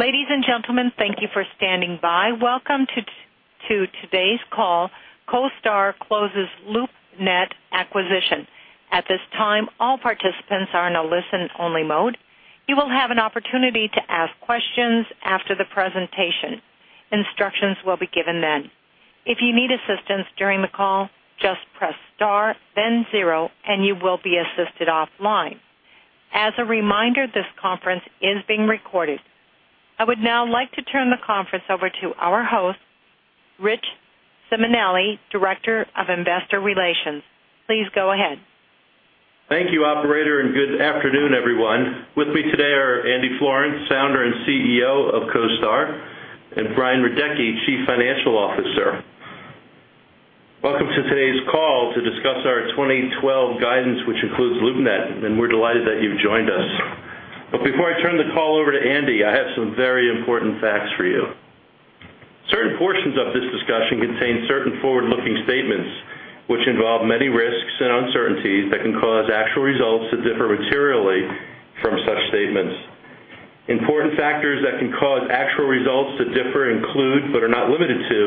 Ladies and gentlemen, thank you for standing by. Welcome to today's call, "CoStar Closes LoopNet Acquisition." At this time, all participants are in a listen-only mode. You will have an opportunity to ask questions after the presentation. Instructions will be given then. If you need assistance during the call, just press star, then zero, and you will be assisted offline. As a reminder, this conference is being recorded. I would now like to turn the conference over to our host, Rich Simonelli, Director of Investor Relations. Please go ahead. Thank you, operator, and good afternoon, everyone. With me today are Andy Florance, Founder and Chief Executive Officer of CoStar, and Brian Radecki, Chief Financial Officer. Welcome to today's call to discuss our 2012 guidance, which includes LoopNet. We're delighted that you've joined us. Before I turn the call over to Andy, I have some very important facts for you. Certain portions of this discussion contain certain forward-looking statements, which involve many risks and uncertainties that can cause actual results to differ materially from such statements. Important factors that can cause actual results to differ include, but are not limited to,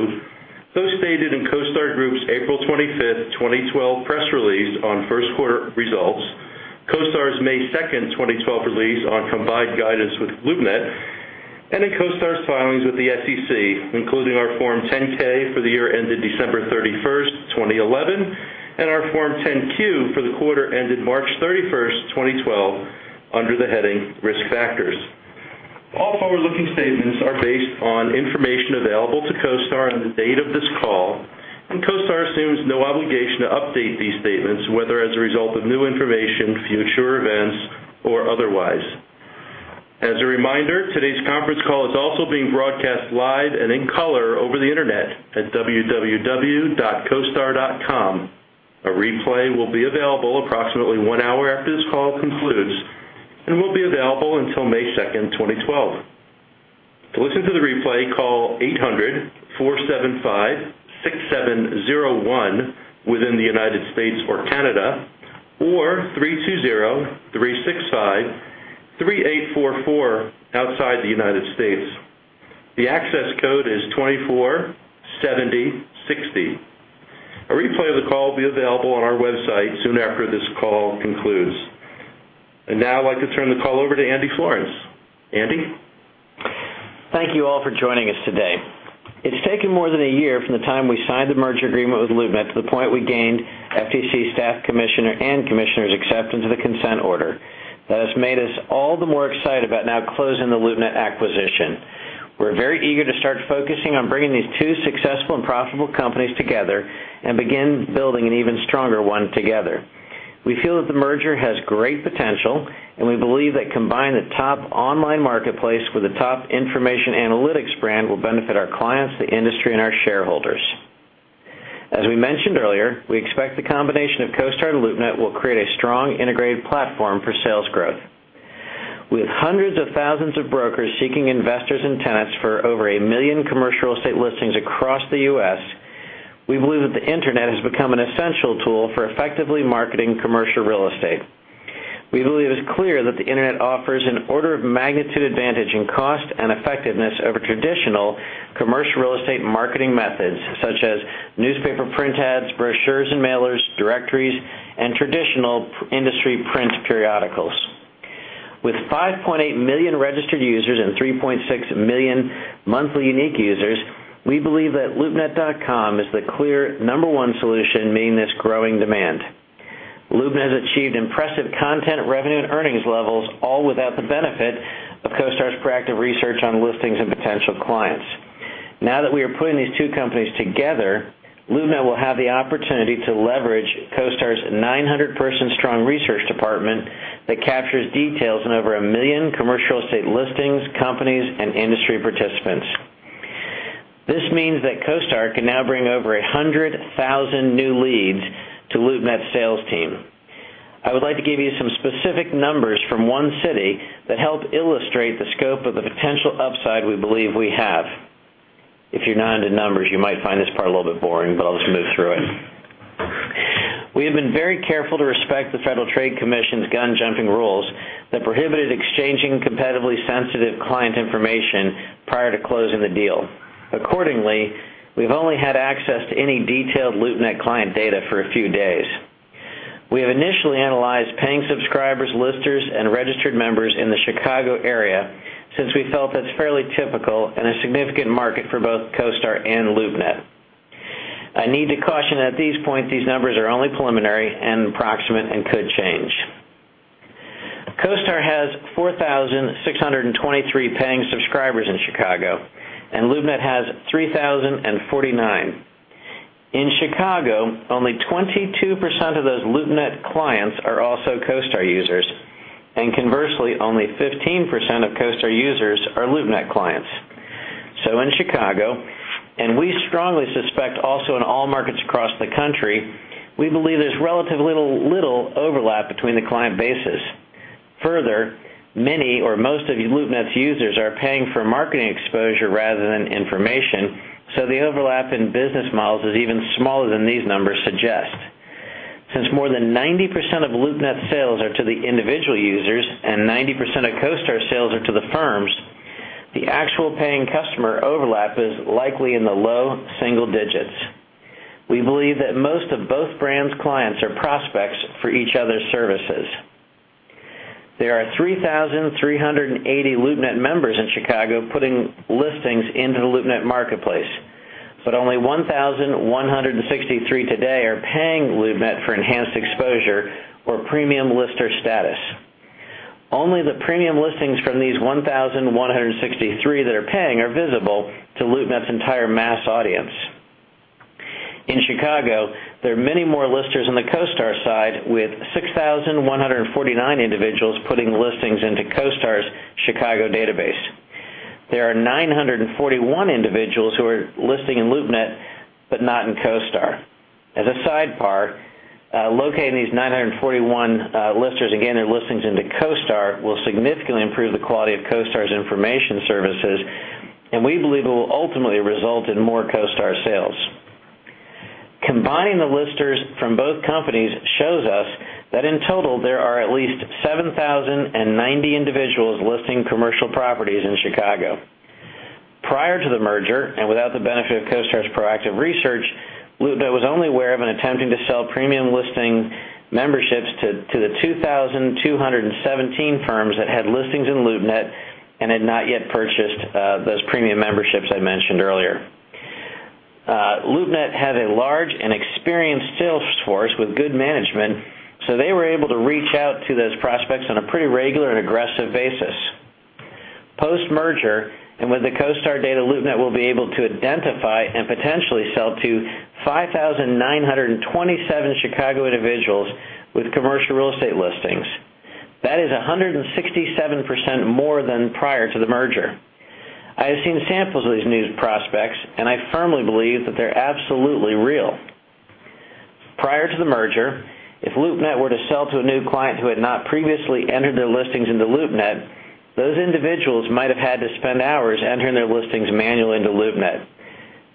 those stated in CoStar Group's April 25th, 2012 press release on first-quarter results, CoStar's May 2nd, 2012 release on combined guidance with LoopNet, and in CoStar's filings with the SEC, including our Form 10-K for the year ended December 31st, 2011, and our Form 10-Q for the quarter ended March 31st, 2012, under the heading Risk Factors. All forward-looking statements are based on information available to CoStar on the date of this call. CoStar assumes no obligation to update these statements, whether as a result of new information, future events, or otherwise. As a reminder, today's conference call is also being broadcast live and in color over the internet at www.costar.com. A replay will be available approximately one hour after this call concludes and will be available until May 2nd, 2012. To listen to the replay, call 800-475-6701 within the U.S. or Canada or 320-365-3844 outside the U.S. The access code is 247060. A replay of the call will be available on our website soon after this call concludes. Now I'd like to turn the call over to Andy Florance. Andy? Thank you all for joining us today. It's taken more than a year from the time we signed the merger agreement with LoopNet to the point we gained FTC staff commissioner and commissioner's acceptance of the consent order. That has made us all the more excited about now closing the LoopNet acquisition. We're very eager to start focusing on bringing these two successful and profitable companies together and begin building an even stronger one together. We feel that the merger has great potential, and we believe that combining the top online marketplace with the top information analytics brand will benefit our clients, the industry, and our shareholders. As we mentioned earlier, we expect the combination of CoStar and LoopNet will create a strong integrated platform for sales growth. With hundreds of thousands of brokers seeking investors and tenants for over a million commercial estate listings across the U.S., we believe that the internet has become an essential tool for effectively marketing commercial real estate. We believe it's clear that the internet offers an order-of-magnitude advantage in cost and effectiveness over traditional commercial real estate marketing methods such as newspaper print ads, brochures and mailers, directories, and traditional industry print periodicals. With 5.8 million registered users and 3.6 million monthly unique users, we believe that LoopNet.com is the clear number one solution meeting this growing demand. LoopNet has achieved impressive content revenue and earnings levels, all without the benefit of CoStar's proactive research on listings and potential clients. Now that we are putting these two companies together, LoopNet will have the opportunity to leverage CoStar's 900-person strong research department that captures details on over a million commercial real estate listings, companies, and industry participants. This means that CoStar can now bring over 100,000 new leads to LoopNet's sales team. I would like to give you some specific numbers from one city that help illustrate the scope of the potential upside we believe we have. If you're not into numbers, you might find this part a little bit boring, but I'll just move through it. We have been very careful to respect the Federal Trade Commission's gun jumping rules that prohibited exchanging competitively sensitive client information prior to closing the deal. Accordingly, we've only had access to any detailed LoopNet client data for a few days. We have initially analyzed paying subscribers, listers, and registered members in the Chicago area since we felt that's fairly typical and a significant market for both CoStar and LoopNet. I need to caution at this point these numbers are only preliminary and approximate and could change. CoStar has 4,623 paying subscribers in Chicago, and LoopNet has 3,049. In Chicago, only 22% of those LoopNet clients are also CoStar users, and conversely, only 15% of CoStar users are LoopNet clients. In Chicago, and we strongly suspect also in all markets across the country, we believe there's relatively little overlap between the client bases. Further, many or most of LoopNet's users are paying for marketing exposure rather than information, so the overlap in business models is even smaller than these numbers suggest. Since more than 90% of LoopNet sales are to the individual users and 90% of CoStar sales are to the firms, the actual paying customer overlap is likely in the low single digits. We believe that most of both brands' clients are prospects for each other's services. There are 3,380 LoopNet members in Chicago putting listings into the LoopNet marketplace, but only 1,163 today are paying LoopNet for enhanced exposure or premium lister status. Only the premium listings from these 1,163 that are paying are visible to LoopNet's entire mass audience. In Chicago, there are many more listers on the CoStar side, with 6,149 individuals putting listings into CoStar's Chicago database. There are 941 individuals who are listing in LoopNet, but not in CoStar. As a sidebar, locating these 941 listers, their listings into CoStar will significantly improve the quality of CoStar's information services, and we believe it will ultimately result in more CoStar sales. Combining the listers from both companies shows us that in total, there are at least 7,090 individuals listing commercial properties in Chicago. Prior to the merger, and without the benefit of CoStar's proactive research, LoopNet was only aware of and attempting to sell premium listing memberships to the 2,217 firms that had listings in LoopNet and had not yet purchased those premium memberships I mentioned earlier. LoopNet had a large and experienced sales force with good management, so they were able to reach out to those prospects on a pretty regular and aggressive basis. Post-merger, and with the CoStar data, LoopNet will be able to identify and potentially sell to 5,927 Chicago individuals with commercial real estate listings. That is 167% more than prior to the merger. I have seen samples of these new prospects, and I firmly believe that they're absolutely real. Prior to the merger, if LoopNet were to sell to a new client who had not previously entered their listings into LoopNet, those individuals might have had to spend hours entering their listings manually into LoopNet.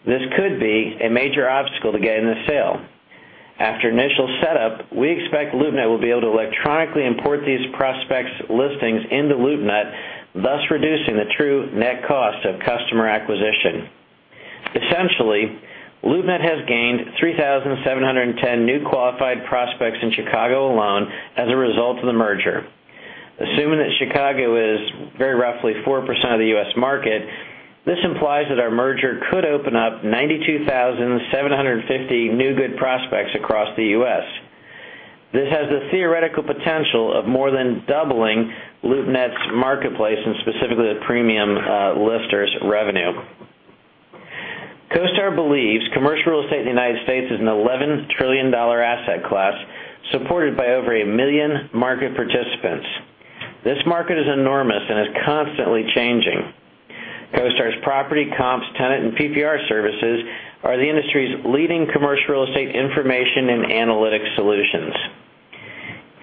This could be a major obstacle to getting the sale. After initial setup, we expect LoopNet will be able to electronically import these prospects' listings into LoopNet, thus reducing the true net cost of customer acquisition. Essentially, LoopNet has gained 3,710 new qualified prospects in Chicago alone as a result of the merger. Assuming that Chicago is very roughly 4% of the U.S. market, this implies that our merger could open up 92,750 new good prospects across the U.S. This has the theoretical potential of more than doubling LoopNet's marketplace, and specifically the premium listers revenue. CoStar believes commercial real estate in the U.S. is an $11 trillion asset class supported by over a million market participants. This market is enormous and is constantly changing. CoStar's Property, Comps, Tenant, and PPR services are the industry's leading commercial real estate information and analytic solutions.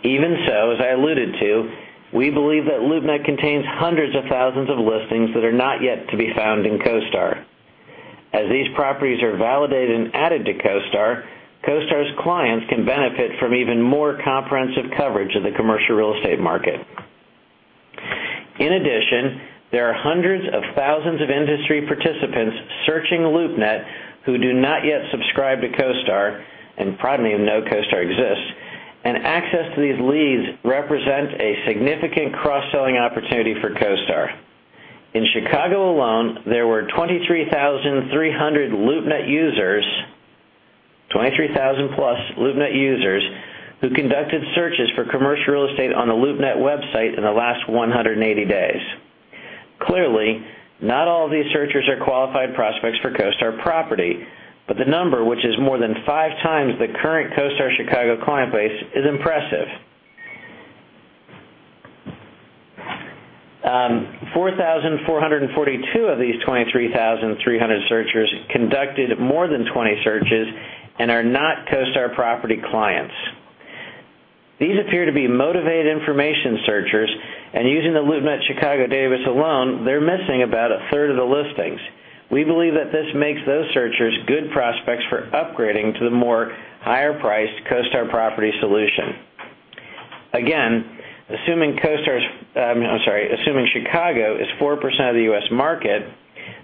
Even so, as I alluded to, we believe that LoopNet contains hundreds of thousands of listings that are not yet to be found in CoStar. As these properties are validated and added to CoStar's clients can benefit from even more comprehensive coverage of the commercial real estate market. In addition, there are hundreds of thousands of industry participants searching LoopNet who do not yet subscribe to CoStar, and probably know CoStar exists, and access to these leads represents a significant cross-selling opportunity for CoStar. In Chicago alone, there were 23,300 LoopNet users, 23,000-plus LoopNet users who conducted searches for commercial real estate on the LoopNet website in the last 180 days. Clearly, not all of these searchers are qualified prospects for CoStar Property, but the number, which is more than five times the current CoStar Chicago client base, is impressive. 4,442 of these 23,300 searchers conducted more than 20 searches and are not CoStar Property clients. These appear to be motivated information searchers, and using the LoopNet Chicago database alone, they're missing about a third of the listings. We believe that this makes those searchers good prospects for upgrading to the more higher-priced CoStar Property solution. Assuming Chicago is 4% of the U.S. market,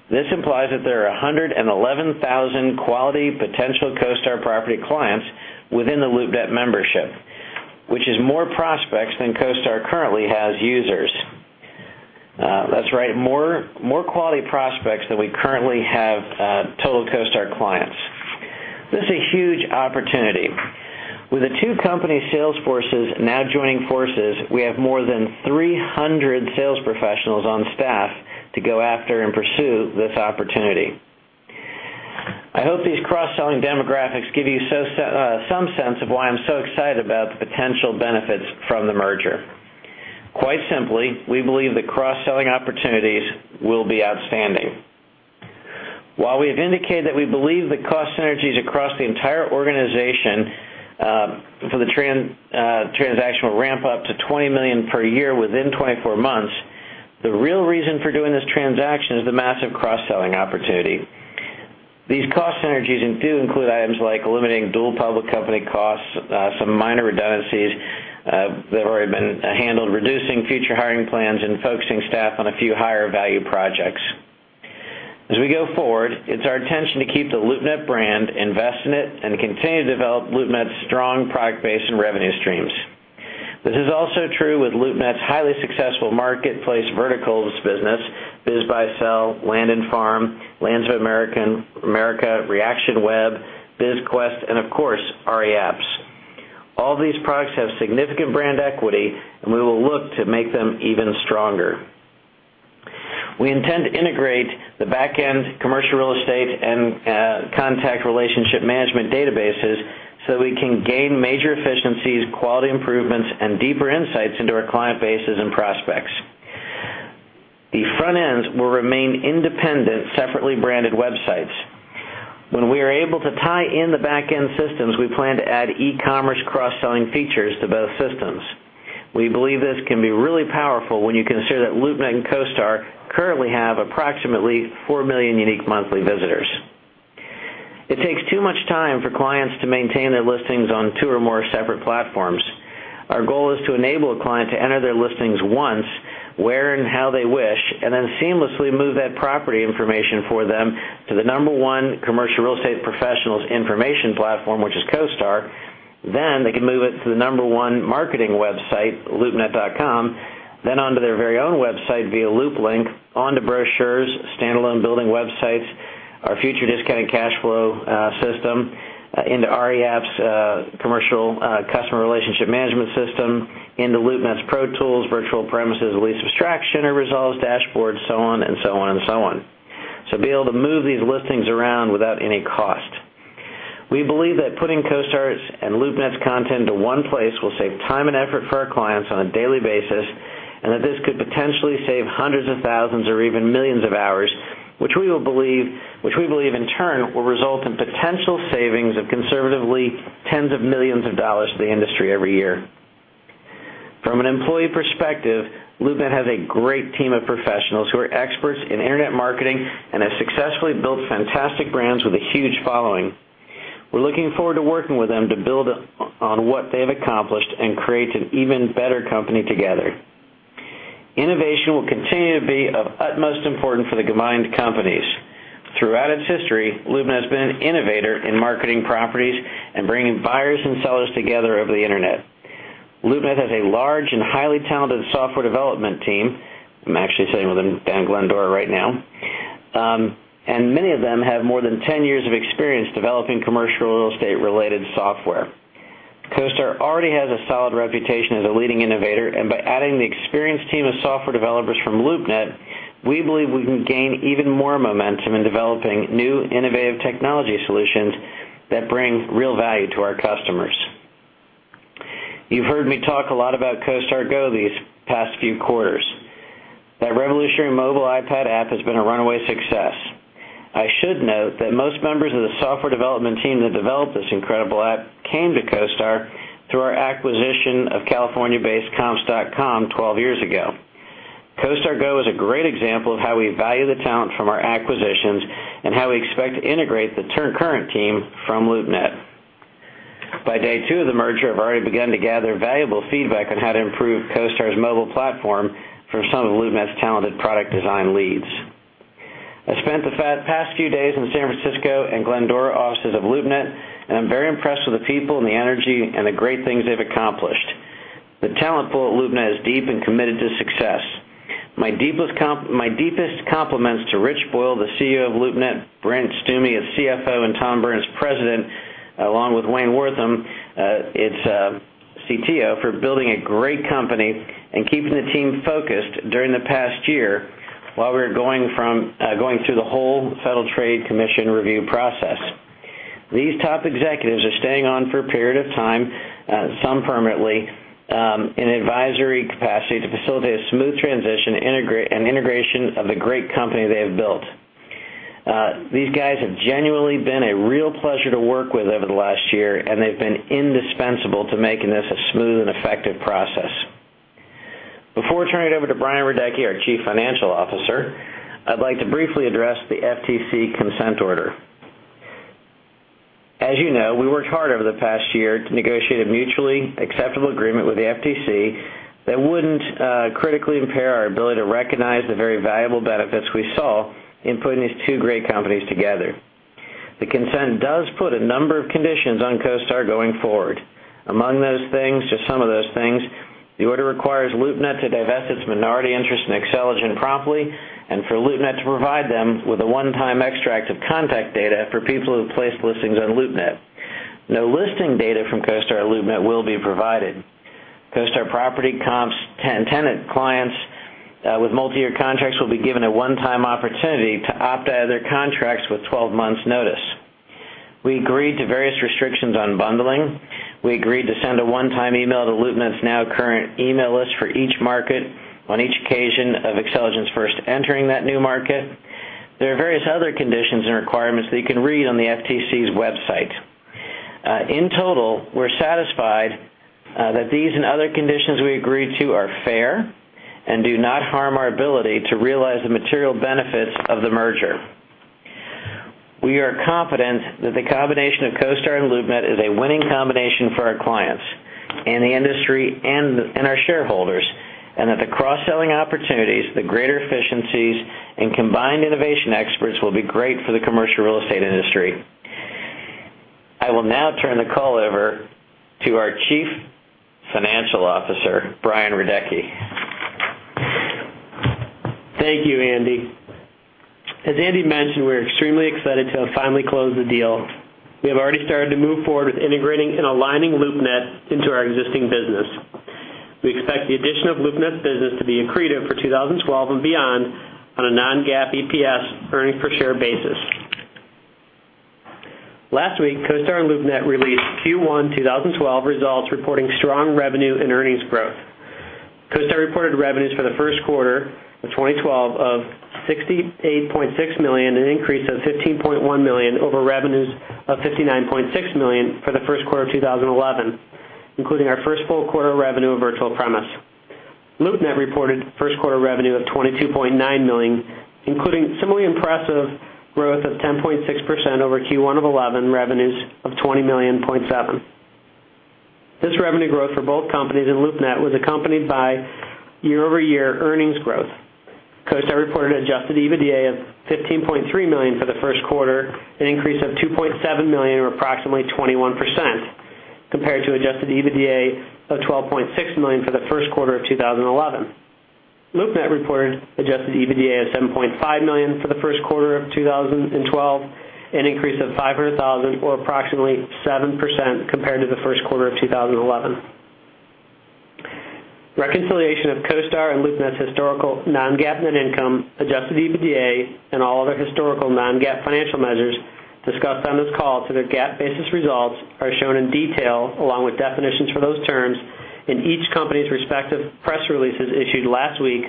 this implies that there are 111,000 quality potential CoStar Property clients within the LoopNet membership, which is more prospects than CoStar currently has users. That's right, more quality prospects than we currently have total CoStar clients. This is a huge opportunity. With the two company sales forces now joining forces, we have more than 300 sales professionals on staff to go after and pursue this opportunity. I hope these cross-selling demographics give you some sense of why I'm so excited about the potential benefits from the merger. Quite simply, we believe the cross-selling opportunities will be outstanding. While we have indicated that we believe the cost synergies across the entire organization for the transaction will ramp up to $20 million per year within 24 months, the real reason for doing this transaction is the massive cross-selling opportunity. These cost synergies do include items like eliminating dual public company costs, some minor redundancies that have already been handled, reducing future hiring plans, and focusing staff on a few higher value projects. It's our intention to keep the LoopNet brand, invest in it, and continue to develop LoopNet's strong product base and revenue streams. This is also true with LoopNet's highly successful marketplace verticals business, BizBuySell, Land and Farm, Lands of America, Reaction Web, BizQuest, and of course, REApps. All these products have significant brand equity, and we will look to make them even stronger. We intend to integrate the back-end commercial real estate and contact relationship management databases so that we can gain major efficiencies, quality improvements, and deeper insights into our client bases and prospects. The front ends will remain independent, separately branded websites. When we are able to tie in the back-end systems, we plan to add e-commerce cross-selling features to both systems. We believe this can be really powerful when you consider that LoopNet and CoStar currently have approximately 4 million unique monthly visitors. It takes too much time for clients to maintain their listings on two or more separate platforms. Our goal is to enable a client to enter their listings once, where and how they wish, and then seamlessly move that property information for them to the number one commercial real estate professional's information platform, which is CoStar. They can move it to the number one marketing website, loopnet.com, then onto their very own website via LoopLink, onto brochures, standalone building websites, our future discounted cash flow system into REApps commercial customer relationship management system, into LoopNet's Pro Tools, Virtual Premise, lease abstraction, results, dashboards, so on and so on and so on. Be able to move these listings around without any cost. We believe that putting CoStar's and LoopNet's content into one place will save time and effort for our clients on a daily basis, and that this could potentially save hundreds of thousands or even millions of hours, which we believe in turn, will result in potential savings of conservatively $tens of millions to the industry every year. From an employee perspective, LoopNet has a great team of professionals who are experts in internet marketing and have successfully built fantastic brands with a huge following. We are looking forward to working with them to build on what they have accomplished and create an even better company together. Innovation will continue to be of utmost importance for the combined companies. Throughout its history, LoopNet has been an innovator in marketing properties and bringing buyers and sellers together over the internet. LoopNet has a large and highly talented software development team. I am actually sitting with Dan Glendower right now. Many of them have more than 10 years of experience developing commercial real estate-related software. CoStar already has a solid reputation as a leading innovator, and by adding the experienced team of software developers from LoopNet, we believe we can gain even more momentum in developing new innovative technology solutions that bring real value to our customers. You have heard me talk a lot about CoStar Go these past few quarters. That revolutionary mobile iPad app has been a runaway success. I should note that most members of the software development team that developed this incredible app came to CoStar through our acquisition of California-based COMPS.COM 12 years ago. CoStar Go is a great example of how we value the talent from our acquisitions and how we expect to integrate the current team from LoopNet. By day two of the merger, I have already begun to gather valuable feedback on how to improve CoStar's mobile platform for some of LoopNet's talented product design leads. I spent the past few days in the San Francisco and Glendora offices of LoopNet, and I am very impressed with the people and the energy and the great things they have accomplished. The talent pool at LoopNet is deep and committed to success. My deepest compliments to Rich Boyle, the CEO of LoopNet, Brent Stumme, its CFO, and Tom Burns, president, along with Wayne Wortham, its CTO, for building a great company and keeping the team focused during the past year while we were going through the whole Federal Trade Commission review process. These top executives are staying on for a period of time, some permanently, in advisory capacity to facilitate a smooth transition and integration of the great company they have built. These guys have genuinely been a real pleasure to work with over the last year, and they have been indispensable to making this a smooth and effective process. Before turning it over to Brian Radecki, our chief financial officer, I would like to briefly address the FTC consent order. As you know, we worked hard over the past year to negotiate a mutually acceptable agreement with the FTC that would not critically impair our ability to recognize the very valuable benefits we saw in putting these two great companies together. The consent does put a number of conditions on CoStar going forward. Among those things, just some of those things, the order requires LoopNet to divest its minority interest in Xceligent promptly and for LoopNet to provide them with a one-time extract of contact data for people who have placed listings on LoopNet. No listing data from CoStar or LoopNet will be provided. CoStar Property Comps Tenant clients with multi-year contracts will be given a one-time opportunity to opt out of their contracts with 12 months notice. We agreed to various restrictions on bundling. We agreed to send a one-time email to LoopNet's now current email list for each market on each occasion of Xceligent's first entering that new market. There are various other conditions and requirements that you can read on the FTC's website. In total, we're satisfied that these and other conditions we agreed to are fair and do not harm our ability to realize the material benefits of the merger. We are confident that the combination of CoStar and LoopNet is a winning combination for our clients in the industry and our shareholders, and that the cross-selling opportunities, the greater efficiencies, and combined innovation experts will be great for the commercial real estate industry. I will now turn the call over to our Chief Financial Officer, Brian Radecki. Thank you, Andy. As Andy mentioned, we're extremely excited to have finally closed the deal. We have already started to move forward with integrating and aligning LoopNet into our existing business. We expect the addition of LoopNet's business to be accretive for 2012 and beyond on a non-GAAP EPS earnings per share basis. Last week, CoStar and LoopNet released Q1 2012 results reporting strong revenue and earnings growth. CoStar reported revenues for the first quarter of 2012 of $68.6 million, an increase of $15.1 million over revenues of $59.6 million for the first quarter of 2011, including our first full quarter of revenue of Virtual Premise. LoopNet reported first quarter revenue of $22.9 million, including similarly impressive growth of 10.6% over Q1 of 2011 revenues of $20.7 million. This revenue growth for both companies and LoopNet was accompanied by year-over-year earnings growth. CoStar reported adjusted EBITDA of $15.3 million for the first quarter, an increase of $2.7 million, or approximately 21%, compared to adjusted EBITDA of $12.6 million for the first quarter of 2011. LoopNet reported adjusted EBITDA of $7.5 million for the first quarter of 2012, an increase of $500,000, or approximately 7%, compared to the first quarter of 2011. Reconciliation of CoStar and LoopNet's historical non-GAAP net income, adjusted EBITDA, and all other historical non-GAAP financial measures discussed on this call to their GAAP-basis results are shown in detail, along with definitions for those terms, in each company's respective press releases issued last week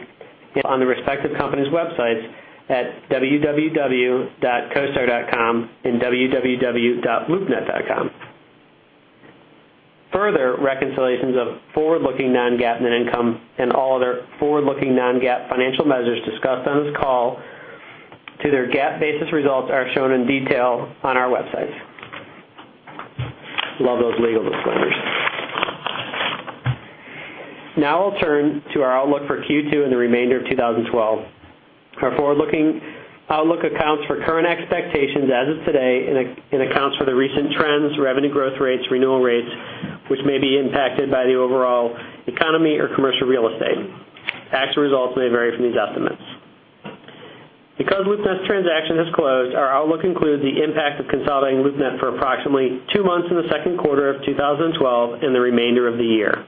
on the respective company's websites at www.costar.com and www.loopnet.com. Further reconciliations of forward-looking non-GAAP net income and all other forward-looking non-GAAP financial measures discussed on this call to their GAAP-basis results are shown in detail on our websites. Love those legal disclaimers. I'll turn to our outlook for Q2 and the remainder of 2012. Our forward-looking outlook accounts for current expectations as of today and accounts for the recent trends, revenue growth rates, renewal rates, which may be impacted by the overall economy or commercial real estate. Actual results may vary from these estimates. Because LoopNet's transaction has closed, our outlook includes the impact of consolidating LoopNet for approximately 2 months in the second quarter of 2012 and the remainder of the year.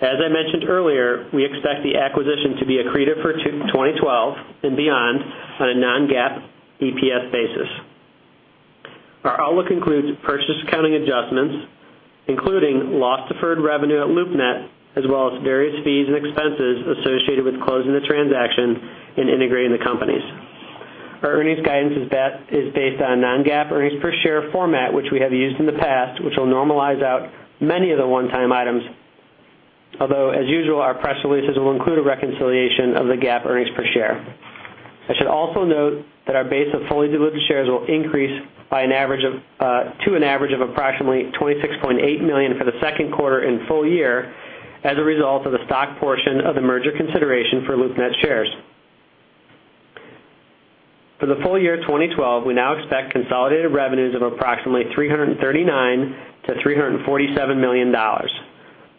As I mentioned earlier, we expect the acquisition to be accretive for 2012 and beyond on a non-GAAP EPS basis. Our outlook includes purchase accounting adjustments, including lost deferred revenue at LoopNet, as well as various fees and expenses associated with closing the transaction and integrating the companies. Our earnings guidance is based on a non-GAAP earnings per share format, which we have used in the past, which will normalize out many of the one-time items. Although, as usual, our press releases will include a reconciliation of the GAAP earnings per share. I should also note that our base of fully diluted shares will increase to an average of approximately 26.8 million for the second quarter and full year as a result of the stock portion of the merger consideration for LoopNet shares. For the full year 2012, we now expect consolidated revenues of approximately $339 million-$347 million,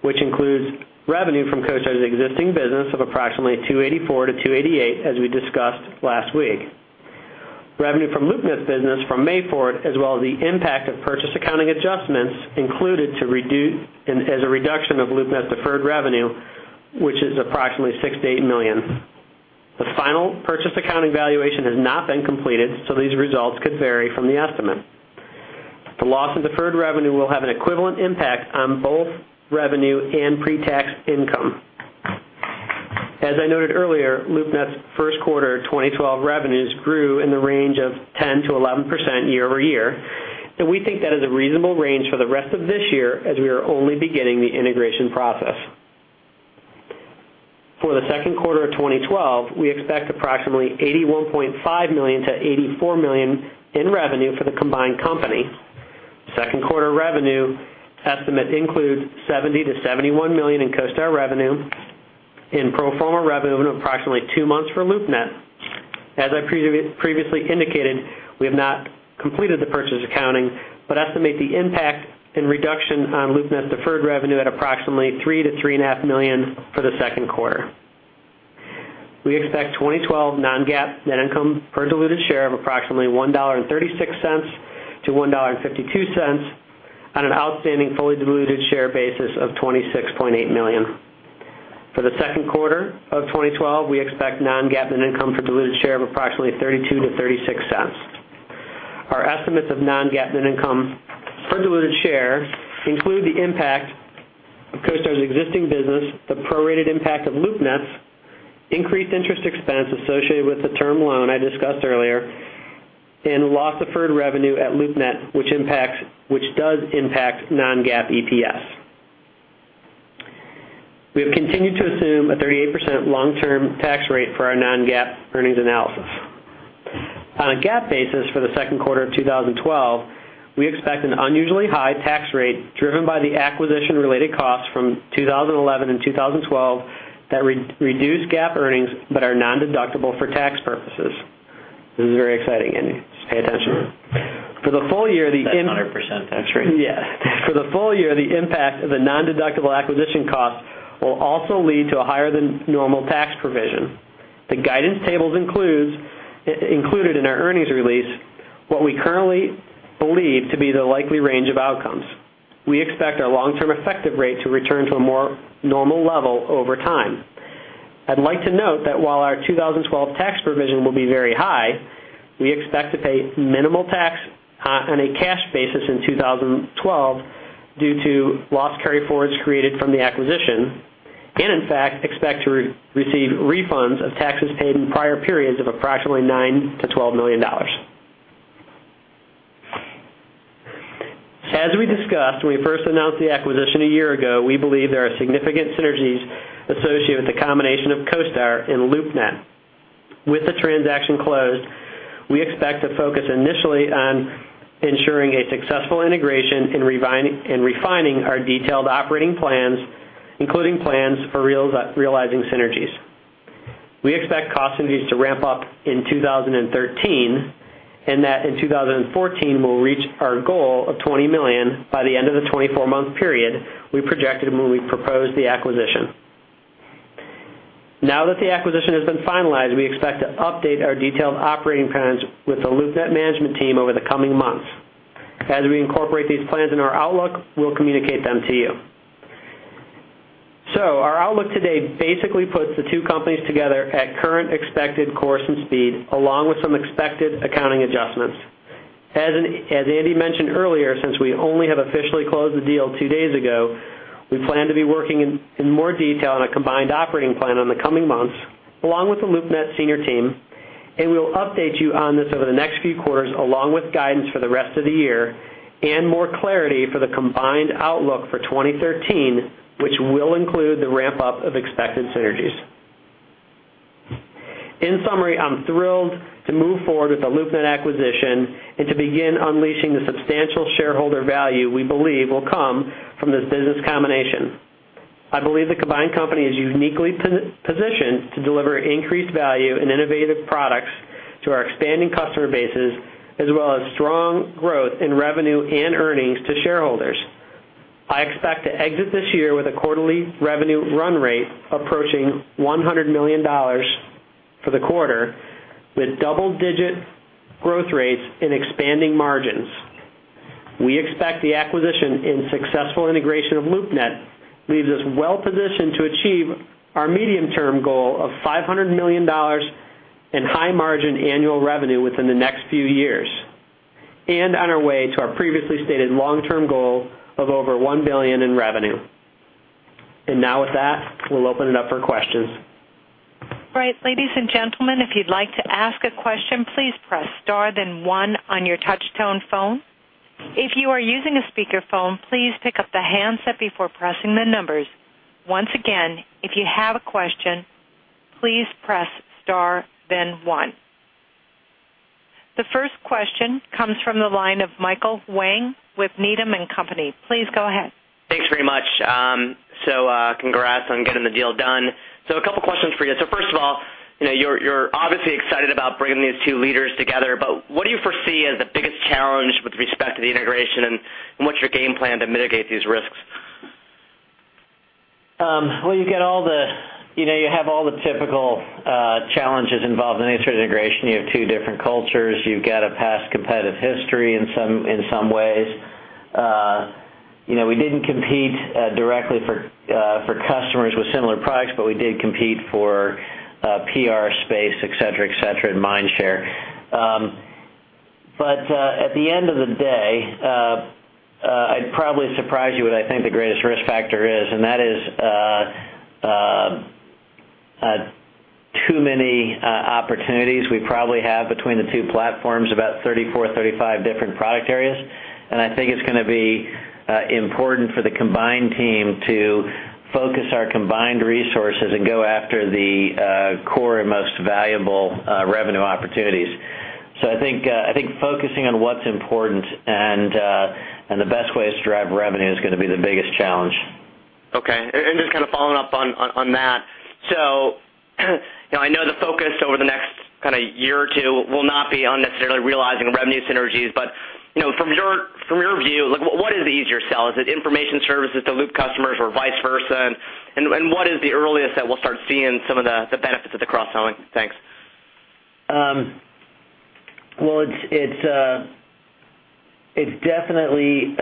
which includes revenue from CoStar's existing business of approximately $284 million-$288 million, as we discussed last week. Revenue from LoopNet's business from May forward, as well as the impact of purchase accounting adjustments included as a reduction of LoopNet's deferred revenue, which is approximately $6 million-$8 million. The final purchase accounting valuation has not been completed, these results could vary from the estimate. The loss of deferred revenue will have an equivalent impact on both revenue and pre-tax income. As I noted earlier, LoopNet's first quarter 2012 revenues grew in the range of 10%-11% year-over-year, and we think that is a reasonable range for the rest of this year as we are only beginning the integration process. For the second quarter of 2012, we expect approximately $81.5 million-$84 million in revenue for the combined company. Second quarter revenue estimates include $70 million-$71 million in CoStar revenue and pro forma revenue of approximately 2 months for LoopNet. As I previously indicated, we have not completed the purchase accounting, estimate the impact and reduction on LoopNet's deferred revenue at approximately $3 million-$3.5 million for the second quarter. We expect 2012 non-GAAP net income per diluted share of approximately $1.36-$1.52 on an outstanding fully diluted share basis of 26.8 million. For the second quarter of 2012, we expect non-GAAP net income per diluted share of approximately $0.32-$0.36. Our estimates of non-GAAP net income per diluted share include the impact CoStar's existing business, the prorated impact of LoopNet, increased interest expense associated with the term loan I discussed earlier, and loss of deferred revenue at LoopNet, which does impact non-GAAP EPS. We have continued to assume a 38% long-term tax rate for our non-GAAP earnings analysis. On a GAAP basis for the second quarter of 2012, we expect an unusually high tax rate driven by the acquisition-related costs from 2011 and 2012 that reduce GAAP earnings but are non-deductible for tax purposes. This is very exciting, Andy. Just pay attention. That's 100% tax rate. Yeah. For the full year, the impact of the non-deductible acquisition costs will also lead to a higher than normal tax provision. The guidance tables included in our earnings release what we currently believe to be the likely range of outcomes. We expect our long-term effective rate to return to a more normal level over time. I'd like to note that while our 2012 tax provision will be very high, we expect to pay minimal tax on a cash basis in 2012 due to loss carryforwards created from the acquisition. In fact, expect to receive refunds of taxes paid in prior periods of approximately $9 million-$12 million. As we discussed when we first announced the acquisition a year ago, we believe there are significant synergies associated with the combination of CoStar and LoopNet. With the transaction closed, we expect to focus initially on ensuring a successful integration and refining our detailed operating plans, including plans for realizing synergies. We expect cost synergies to ramp up in 2013, and that in 2014, we'll reach our goal of $20 million by the end of the 24-month period we projected when we proposed the acquisition. Now that the acquisition has been finalized, we expect to update our detailed operating plans with the LoopNet management team over the coming months. As we incorporate these plans in our outlook, we'll communicate them to you. Our outlook today basically puts the two companies together at current expected course and speed, along with some expected accounting adjustments. As Andy mentioned earlier, since we only have officially closed the deal two days ago, we plan to be working in more detail on a combined operating plan in the coming months, along with the LoopNet senior team, and we will update you on this over the next few quarters, along with guidance for the rest of the year and more clarity for the combined outlook for 2013, which will include the ramp-up of expected synergies. In summary, I'm thrilled to move forward with the LoopNet acquisition and to begin unleashing the substantial shareholder value we believe will come from this business combination. I believe the combined company is uniquely positioned to deliver increased value and innovative products to our expanding customer bases, as well as strong growth in revenue and earnings to shareholders. I expect to exit this year with a quarterly revenue run rate approaching $100 million for the quarter, with double-digit growth rates and expanding margins. We expect the acquisition and successful integration of LoopNet leaves us well-positioned to achieve our medium-term goal of $500 million in high-margin annual revenue within the next few years, and on our way to our previously stated long-term goal of over $1 billion in revenue. Now with that, we'll open it up for questions. Right. Ladies and gentlemen, if you'd like to ask a question, please press star then one on your touch-tone phone. If you are using a speakerphone, please pick up the handset before pressing the numbers. Once again, if you have a question, please press star then one. The first question comes from the line of Michael Wang with Needham & Company. Please go ahead. Thanks very much. Congrats on getting the deal done. A couple questions for you. First of all, you're obviously excited about bringing these two leaders together, but what do you foresee as the biggest challenge with respect to the integration, and what's your game plan to mitigate these risks? You have all the typical challenges involved in any sort of integration. You have two different cultures. You've got a past competitive history in some ways. We didn't compete directly for customers with similar products, but we did compete for PR space, et cetera, et cetera, and mind share. At the end of the day, I'd probably surprise you with what I think the greatest risk factor is, and that is too many opportunities. We probably have, between the two platforms, about 34, 35 different product areas, and I think it's going to be important for the combined team to focus our combined resources and go after the core and most valuable revenue opportunities. I think focusing on what's important and the best ways to drive revenue is going to be the biggest challenge. Okay. Just kind of following up on that. I know the focus over the next year or two will not be on necessarily realizing revenue synergies. From your view, what is the easier sell? Is it information services to LoopNet customers or vice versa? What is the earliest that we'll start seeing some of the benefits of the cross-selling? Thanks. It's definitely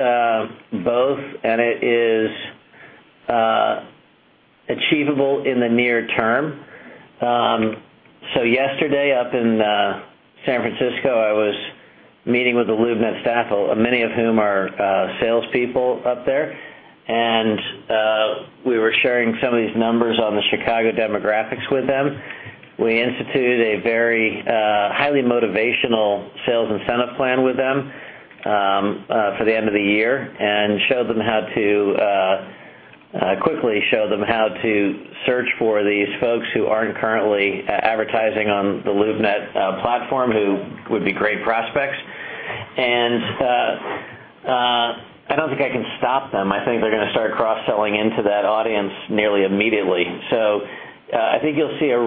both. Achievable in the near term. Yesterday, up in San Francisco, I was meeting with the LoopNet staff, many of whom are salespeople up there. We were sharing some of these numbers on the Chicago demographics with them. We instituted a very highly motivational sales incentive plan with them for the end of the year, and quickly showed them how to search for these folks who aren't currently advertising on the LoopNet platform, who would be great prospects. I don't think I can stop them. I think they're going to start cross-selling into that audience nearly immediately. I think you'll see a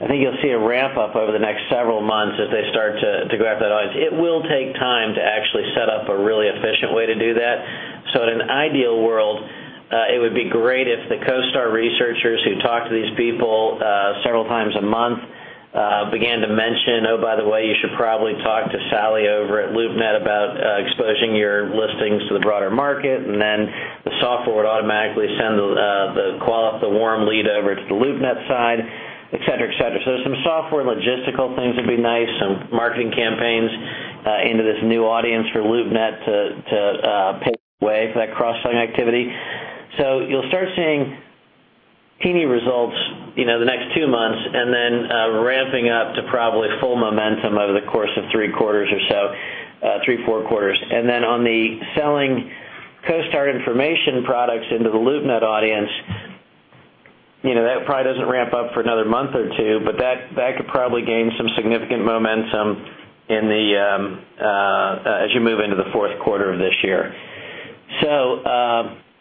ramp-up over the next several months as they start to go after that audience. It will take time to actually set up a really efficient way to do that. In an ideal world, it would be great if the CoStar researchers who talk to these people several times a month began to mention, "Oh, by the way, you should probably talk to Sally over at LoopNet about exposing your listings to the broader market." The software would automatically send the warm lead over to the LoopNet side, et cetera. Some software logistical things would be nice. Some marketing campaigns into this new audience for LoopNet to pave the way for that cross-selling activity. You'll start seeing teeny results the next two months, then ramping up to probably full momentum over the course of three quarters or so, three to four quarters. On the selling CoStar information products into the LoopNet audience, that probably doesn't ramp up for another month or two, but that could probably gain some significant momentum as you move into the fourth quarter of this year.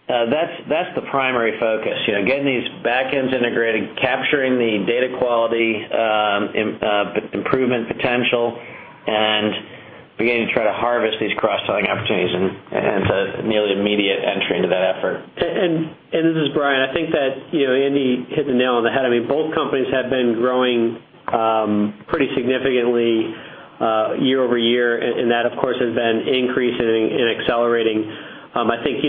That's the primary focus. Getting these back ends integrated, capturing the data quality improvement potential, and beginning to try to harvest these cross-selling opportunities and it's a nearly immediate entry into that effort. This is Brian. I think that Andy hit the nail on the head. Both companies have been growing pretty significantly year-over-year, that, of course, has been increasing and accelerating. I think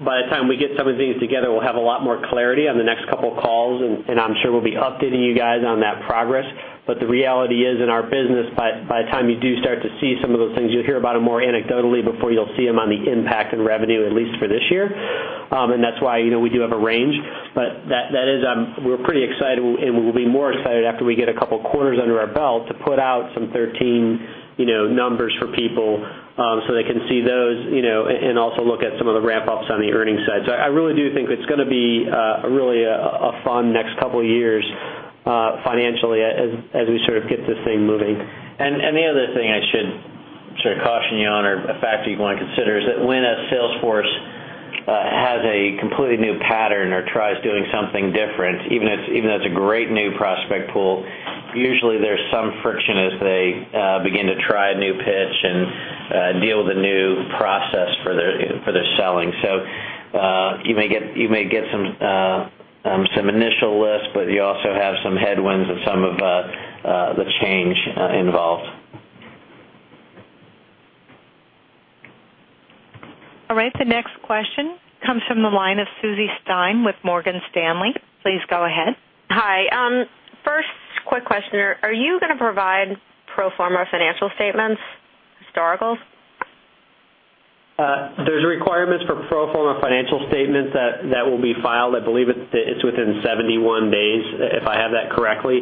by the time we get some of these together, we'll have a lot more clarity on the next couple of calls, I'm sure we'll be updating you guys on that progress. The reality is, in our business, by the time you do start to see some of those things, you'll hear about them more anecdotally before you'll see them on the impact in revenue, at least for this year. That's why we do have a range. We're pretty excited, we'll be more excited after we get a couple of quarters under our belt to put out some 2013 numbers for people so they can see those, also look at some of the ramp-ups on the earnings side. I really do think it's going to be a fun next couple of years financially as we sort of get this thing moving. The other thing I should caution you on, or a factor you'd want to consider, is that when a sales force has a completely new pattern or tries doing something different, even if it's a great new prospect pool, usually there's some friction as they begin to try a new pitch and deal with a new process for their selling. You may get some initial lists, but you also have some headwinds and some of the change involved. All right. The next question comes from the line of Suzi Stein with Morgan Stanley. Please go ahead. Hi. First quick question, are you going to provide pro forma financial statements, historical? There's requirements for pro forma financial statements that will be filed. I believe it's within 71 days, if I have that correctly.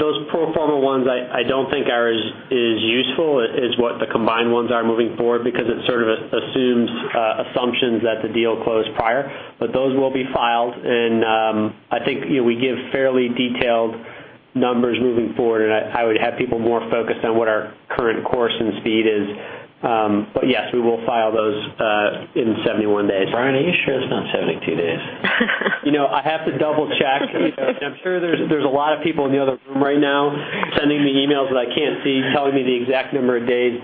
Those pro forma ones, I don't think are as useful as what the combined ones are moving forward because it sort of assumes assumptions that the deal closed prior. Those will be filed, and I think we give fairly detailed numbers moving forward, and I would have people more focused on what our current course and speed is. Yes, we will file those in 71 days. Brian, are you sure it's not 72 days? I have to double-check. I'm sure there's a lot of people in the other room right now sending me emails that I can't see, telling me the exact number of days.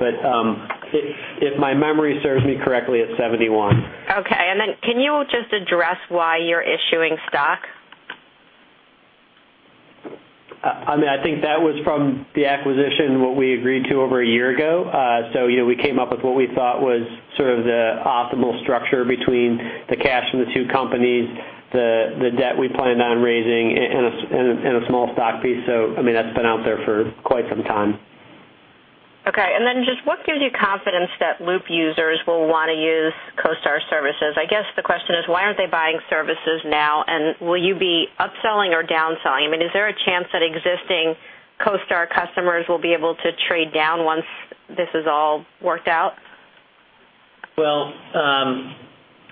If my memory serves me correctly, it's 71. Okay. Can you just address why you're issuing stock? I think that was from the acquisition, what we agreed to over a year ago. We came up with what we thought was sort of the optimal structure between the cash from the two companies, the debt we planned on raising, and a small stock piece. That's been out there for quite some time. Okay. Just what gives you confidence that Loop users will want to use CoStar services? I guess the question is, why aren't they buying services now, and will you be upselling or downselling? Is there a chance that existing CoStar customers will be able to trade down once this is all worked out? Well,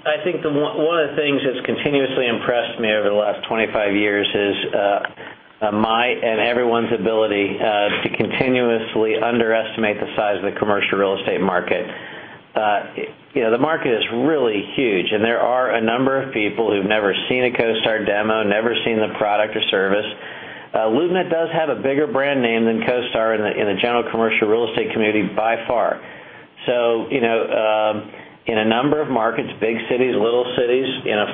I think one of the things that's continuously impressed me over the last 25 years is my and everyone's ability to continuously underestimate the size of the commercial real estate market. The market is really huge, and there are a number of people who've never seen a CoStar demo, never seen the product or service. LoopNet does have a bigger brand name than CoStar in the general commercial real estate community by far. In a number of markets, big cities, little cities,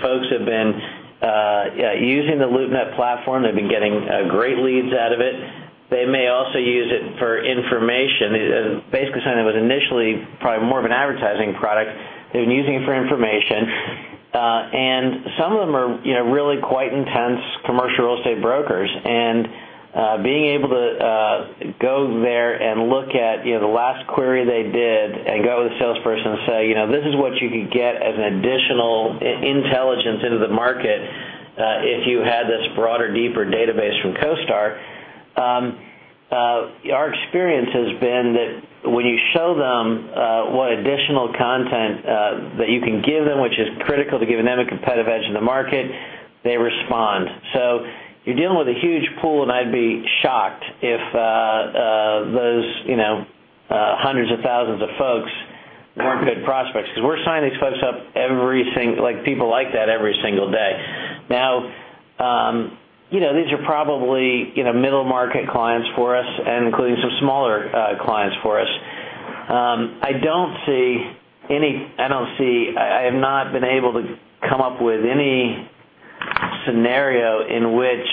folks have been using the LoopNet platform. They've been getting great leads out of it for information. Basically saying it was initially probably more of an advertising product. They've been using it for information, and some of them are really quite intense commercial real estate brokers. Being able to go there and look at the last query they did and go to the salesperson and say, "This is what you could get as additional intelligence into the market if you had this broader, deeper database from CoStar." Our experience has been that when you show them what additional content that you can give them, which is critical to giving them a competitive edge in the market, they respond. You're dealing with a huge pool, and I'd be shocked if those hundreds of thousands of folks weren't good prospects, because we're signing these folks up, people like that every single day. Now, these are probably middle-market clients for us, and including some smaller clients for us. I have not been able to come up with any scenario in which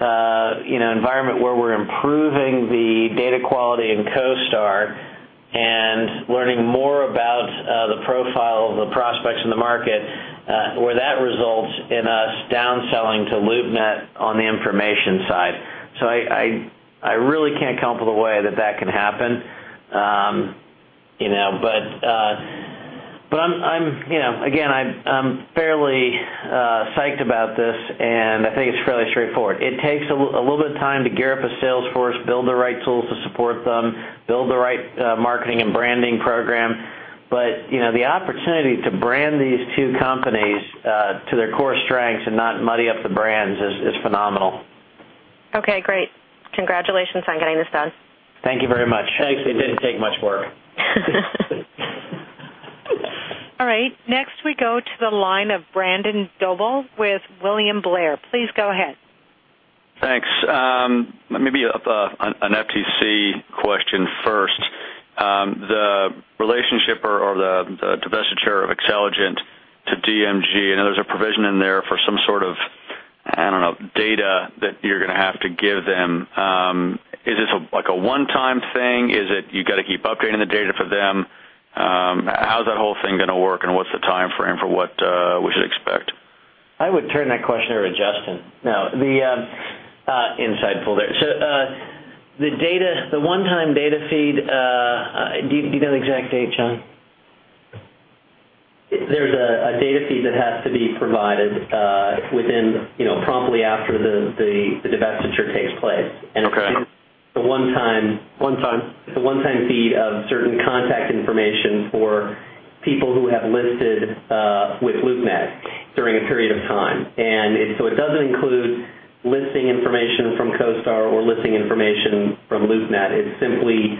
an environment where we're improving the data quality in CoStar and learning more about the profile of the prospects in the market, where that results in us downselling to LoopNet on the information side. I really can't come up with a way that that can happen. Again, I'm fairly psyched about this, and I think it's fairly straightforward. It takes a little bit of time to gear up a sales force, build the right tools to support them, build the right marketing and branding program. The opportunity to brand these two companies to their core strengths and not muddy up the brands is phenomenal. Okay, great. Congratulations on getting this done. Thank you very much. Thanks. It didn't take much work. All right. We go to the line of Brandon Dobell with William Blair. Please go ahead. Thanks. Maybe an FTC question first. The relationship or the divestiture of Xceligent to DMGT. I know there's a provision in there for some sort of, I don't know, data that you're going to have to give them. Is this a one-time thing? Is it you got to keep updating the data for them? How's that whole thing going to work, and what's the timeframe for what we should expect? I would turn that question over to Justin. No. Insightful there. The one-time data feed Do you know the exact date, John? There's a data feed that has to be provided promptly after the divestiture takes place. Okay. It's the one-time- One-time the one-time feed of certain contact information for people who have listed with LoopNet during a period of time. It doesn't include listing information from CoStar or listing information from LoopNet. It's simply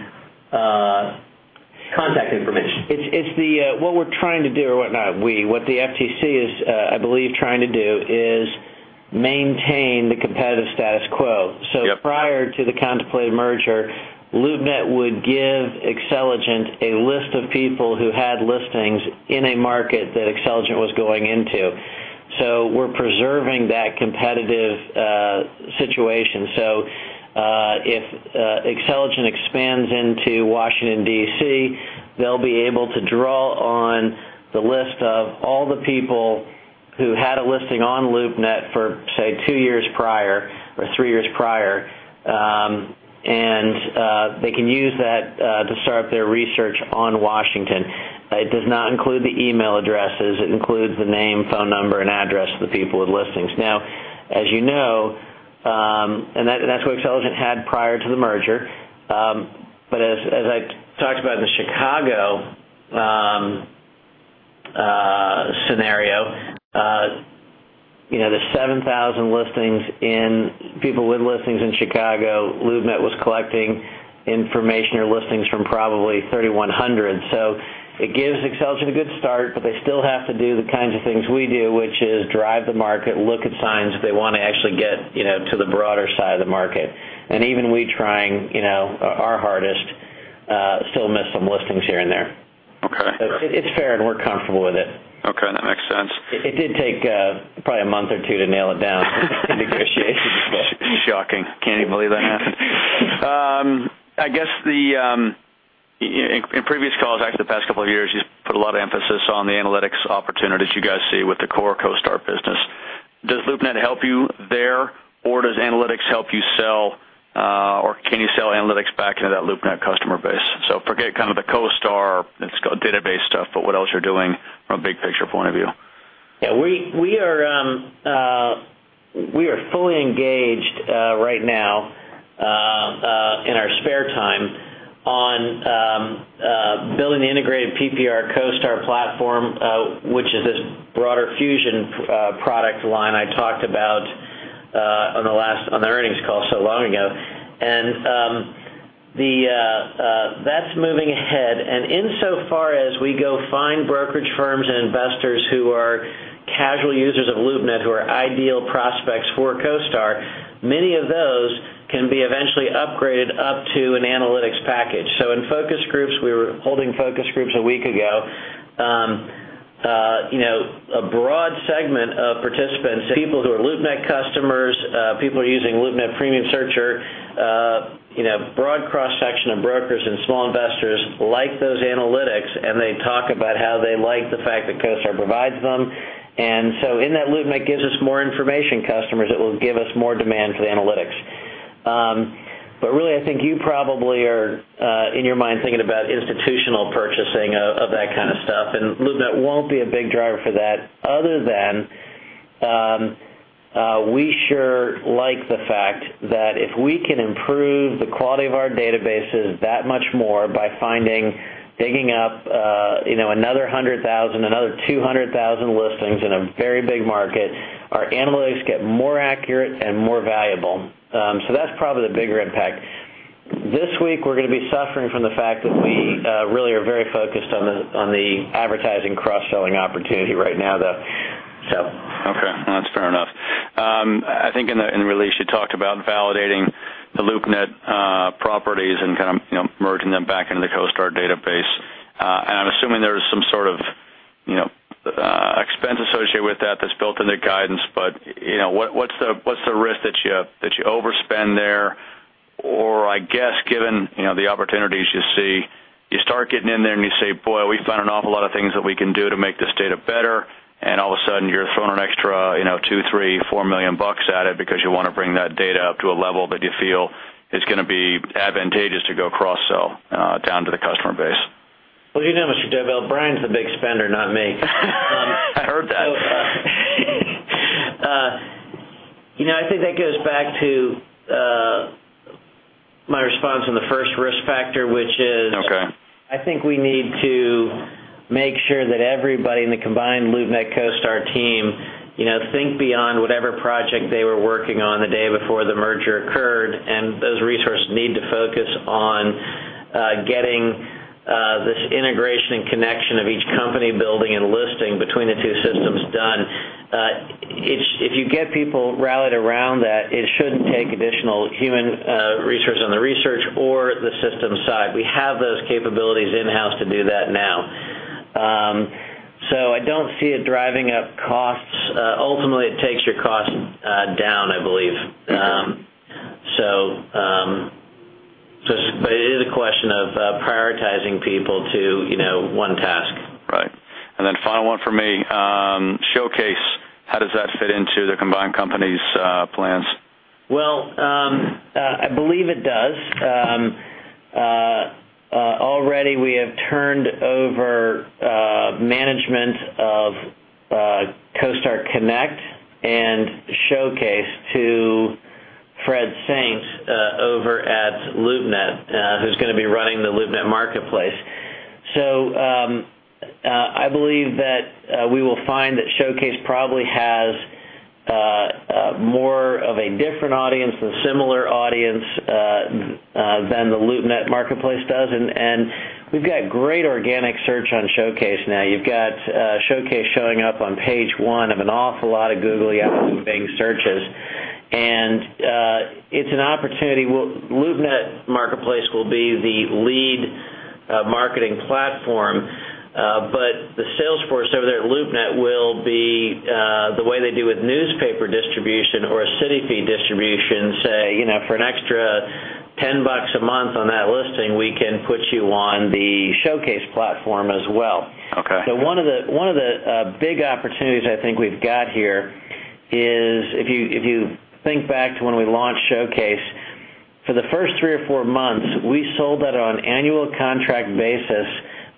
contact information. What we're trying to do, what the FTC is, I believe, trying to do is maintain the competitive status quo. Yep. Prior to the contemplated merger, LoopNet would give Xceligent a list of people who had listings in a market that Xceligent was going into. We're preserving that competitive situation. If Xceligent expands into Washington, D.C., they'll be able to draw on the list of all the people who had a listing on LoopNet for, say, two years prior or three years prior. They can use that to start their research on Washington. It does not include the email addresses. It includes the name, phone number, and address of the people with listings. Now, as you know, that's what Xceligent had prior to the merger. As I talked about in the Chicago scenario, the 7,000 people with listings in Chicago, LoopNet was collecting information or listings from probably 3,100. It gives Xceligent a good start, but they still have to do the kinds of things we do, which is drive the market, look at signs if they want to actually get to the broader side of the market. Even we trying our hardest still miss some listings here and there. Okay. It's fair, and we're comfortable with it. Okay, that makes sense. It did take probably a month or two to nail it down in negotiation. Shocking. Can't even believe that happened. In previous calls, actually the past couple of years, you've put a lot of emphasis on the analytics opportunities you guys see with the core CoStar business. Does LoopNet help you there, or does analytics help you sell, or can you sell analytics back into that LoopNet customer base? Forget kind of the CoStar database stuff, but what else you're doing from a big picture point of view. Yeah. We are fully engaged right now, in our spare time, on building the integrated PPR CoStar platform, which is this broader fusion product line I talked about on the earnings call so long ago. That's moving ahead. Insofar as we go find brokerage firms and investors who are casual users of LoopNet who are ideal prospects for CoStar, many of those can be eventually upgraded up to an Package. In focus groups, we were holding focus groups a week ago. A broad segment of participants, people who are LoopNet customers, people who are using LoopNet Premium Searcher, broad cross-section of brokers and small investors like those analytics, and they talk about how they like the fact that CoStar provides them. In that LoopNet gives us more information customers, it will give us more demand for the analytics. Really, I think you probably are, in your mind, thinking about institutional purchasing of that kind of stuff, and LoopNet won't be a big driver for that other than we sure like the fact that if we can improve the quality of our databases that much more by finding, digging up another 100,000, another 200,000 listings in a very big market, our analytics get more accurate and more valuable. That's probably the bigger impact. This week, we're going to be suffering from the fact that we really are very focused on the advertising cross-selling opportunity right now, though. Okay. No, that's fair enough. I think in the release, you talked about validating the LoopNet properties and kind of merging them back into the CoStar database. I'm assuming there's some sort of expense associated with that that's built into guidance. What's the risk that you overspend there? I guess, given the opportunities you see, you start getting in there and you say, "Boy, we found an awful lot of things that we can do to make this data better." All of a sudden, you're throwing an extra $2 million, $3 million, $4 million at it because you want to bring that data up to a level that you feel is going to be advantageous to go cross-sell down to the customer base. Well, you know, Brandon Dobell, Brian's the big spender, not me. I heard that. I think that goes back to my response on the first risk factor, which is. Okay I think we need to make sure that everybody in the combined LoopNet CoStar team think beyond whatever project they were working on the day before the merger occurred, and those resources need to focus on getting this integration and connection of each company building and listing between the two systems done. If you get people rallied around that, it shouldn't take additional human resource on the research or the systems side. We have those capabilities in-house to do that now. I don't see it driving up costs. Ultimately, it takes your cost down, I believe. It is a question of prioritizing people to one task. Right. Final one from me. Showcase, how does that fit into the combined company's plans? I believe it does. Already we have turned over management of CoStar Connect and Showcase to Fred Saint over at LoopNet, who's going to be running the LoopNet marketplace. I believe that we will find that Showcase probably has more of a different audience than similar audience than the LoopNet marketplace does. We've got great organic search on Showcase now. You've got Showcase showing up on page one of an awful lot of Google, Yahoo, Bing searches, and it's an opportunity LoopNet marketplace will be the lead marketing platform. The sales force over there at LoopNet will be the way they do with newspaper distribution or CityFeet distribution, say, for an extra $10 a month on that listing, we can put you on the Showcase platform as well. Okay. One of the big opportunities I think we've got here is if you think back to when we launched Showcase, for the first 3 or 4 months, we sold that on annual contract basis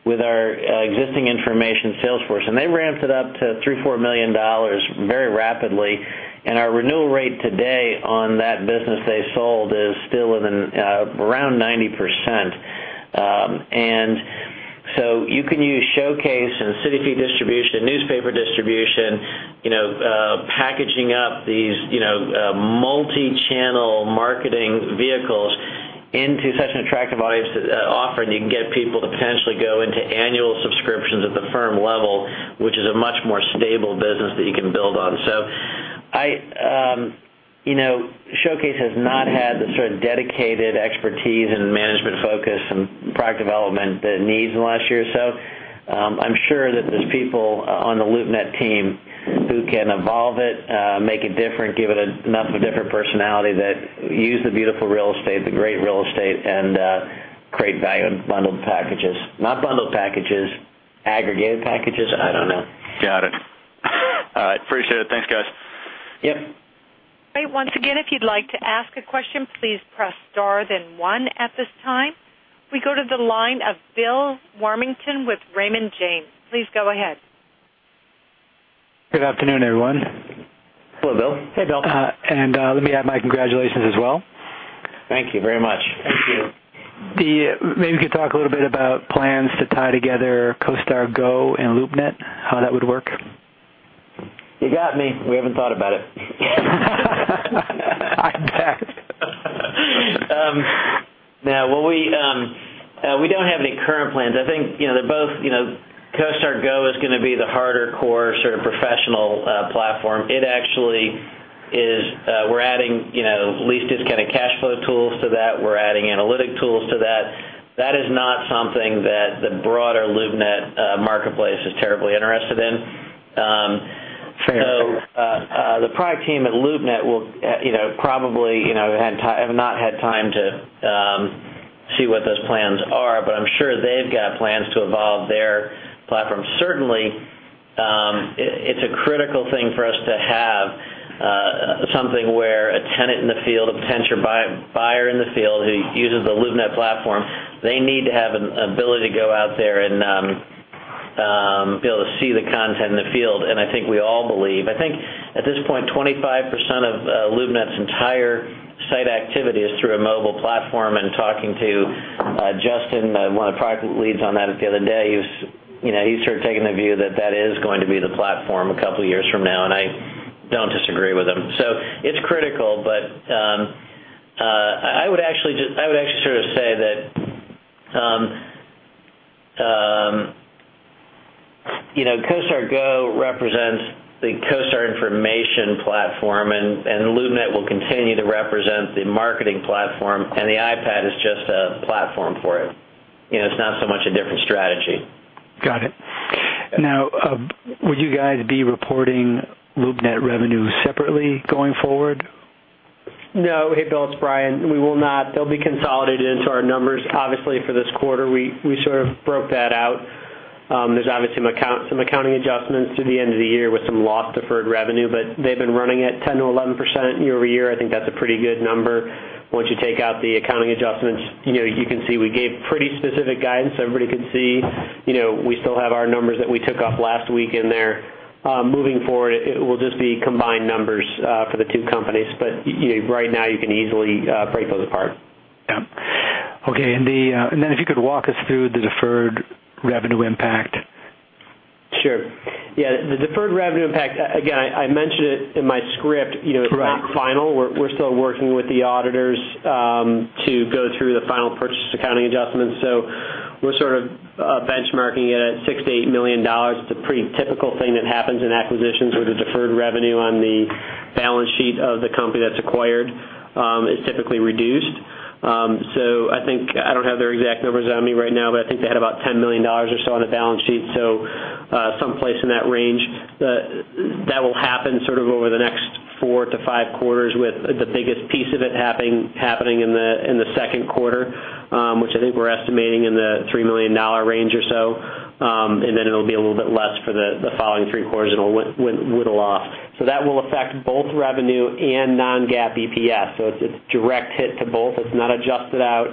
with our existing information sales force, and they ramped it up to $3 million-$4 million very rapidly. Our renewal rate today on that business they sold is still around 90%. You can use Showcase and CityFeet distribution, newspaper distribution, packaging up these multi-channel marketing vehicles into such an attractive offering, you can get people to potentially go into annual subscriptions at the firm level, which is a much more stable business that you can build on. Showcase has not had the sort of dedicated expertise and management focus and product development that it needs in the last year or so. I'm sure that there's people on the LoopNet team who can evolve it, make it different, give it enough of a different personality that use the beautiful real estate, the great real estate, create value in bundled packages. Not bundled packages, aggregated packages. I don't know. Got it. All right. Appreciate it. Thanks, guys. Yep. Great. Once again, if you'd like to ask a question, please press star then one at this time. We go to the line of Bill Warmington with Raymond James. Please go ahead. Good afternoon, everyone. Hello, Bill. Hey, Bill. Let me add my congratulations as well. Thank you very much. Thank you. Maybe you could talk a little bit about plans to tie together CoStar Go and LoopNet, how that would work. You got me. We haven't thought about it. I bet. We don't have any current plans. I think CoStar Go is going to be the harder core sort of professional platform. We're adding lease discounted cash flow tools to that. We're adding analytic tools to that. That is not something that the broader LoopNet marketplace is terribly interested in. Fair enough. The product team at LoopNet will probably have not had time to see what those plans are, but I'm sure they've got plans to evolve their platform. Certainly, it's a critical thing for us to have something where a tenant in the field, a potential buyer in the field who uses the LoopNet platform, they need to have an ability to go out there and be able to see the content in the field. I think we all believe. I think at this point, 25% of LoopNet's entire site activity is through a mobile platform, and talking to Justin, one of the product leads on that the other day, he's sort of taking the view that that is going to be the platform a couple of years from now, and I don't disagree with him. It's critical, but I would actually sort of say that CoStar Go represents the CoStar information platform, and LoopNet will continue to represent the marketing platform, and the iPad is just a platform for it. It's not so much a different strategy. Got it. Would you guys be reporting LoopNet revenue separately going forward? No. Hey, Bill, it's Brian. We will not. They'll be consolidated into our numbers. Obviously, for this quarter, we sort of broke that out. There's obviously some accounting adjustments through the end of the year with some loss deferred revenue, but they've been running at 10%-11% year-over-year. I think that's a pretty good number. Once you take out the accounting adjustments, you can see we gave pretty specific guidance. Everybody can see, we still have our numbers that we took off last week in there. Moving forward, it will just be combined numbers for the two companies. Right now, you can easily break those apart. Okay, if you could walk us through the deferred revenue impact. Sure. The deferred revenue impact, again, I mentioned it in my script. Correct. It's not final. We're still working with the auditors to go through the final purchase accounting adjustments. We're sort of benchmarking it at $68 million. It's a pretty typical thing that happens in acquisitions where the deferred revenue on the balance sheet of the company that's acquired is typically reduced. I don't have their exact numbers on me right now, but I think they had about $10 million or so on the balance sheet. Someplace in that range. That will happen sort of over the next four to five quarters, with the biggest piece of it happening in the second quarter, which I think we're estimating in the $3 million range or so. It'll be a little bit less for the following three quarters, and it'll whittle off. That will affect both revenue and non-GAAP EPS. It's a direct hit to both. It's not adjusted out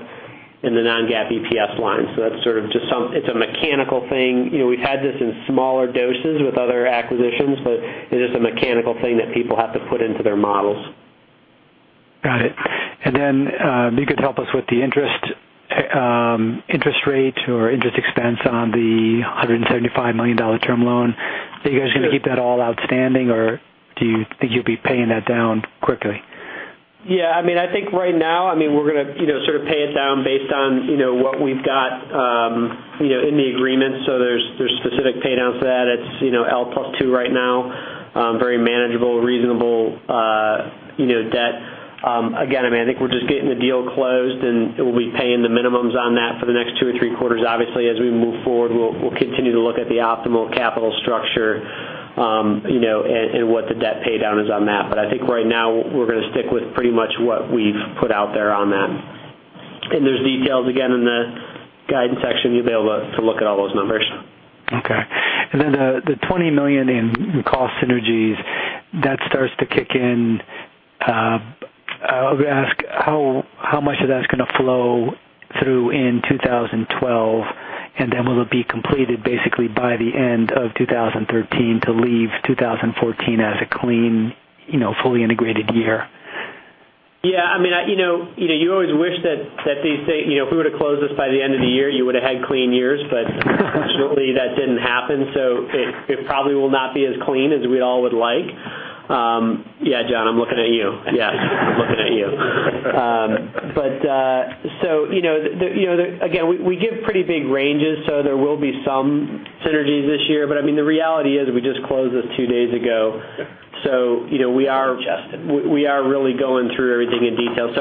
in the non-GAAP EPS line. It's a mechanical thing. We've had this in smaller doses with other acquisitions, but it is a mechanical thing that people have to put into their models. Got it. If you could help us with the interest rate or interest expense on the $175 million term loan. Are you guys going to keep that all outstanding, or do you think you'll be paying that down quickly? Yeah. I think right now, we're going to sort of pay it down based on what we've got in the agreement. There's specific paydowns to that. It's L plus 2 right now. Very manageable, reasonable debt. Again, I think we're just getting the deal closed, and we'll be paying the minimums on that for the next two or three quarters. Obviously, as we move forward, we'll continue to look at the optimal capital structure, and what the debt paydown is on that. I think right now, we're going to stick with pretty much what we've put out there on that. There's details again, in the guidance section. You'll be able to look at all those numbers. Okay. The $20 million in cost synergies, that starts to kick in. Let me ask, how much of that is going to flow through in 2012? Will it be completed basically by the end of 2013 to leave 2014 as a clean, fully integrated year? Yeah. You always wish that these things, if we were to close this by the end of the year, you would've had clean years, unfortunately, that didn't happen, it probably will not be as clean as we all would like. Yeah, John, I'm looking at you. Yeah. I'm looking at you. Again, we give pretty big ranges, there will be some synergies this year. The reality is we just closed this two days ago, we are. Adjusting We are really going through everything in detail.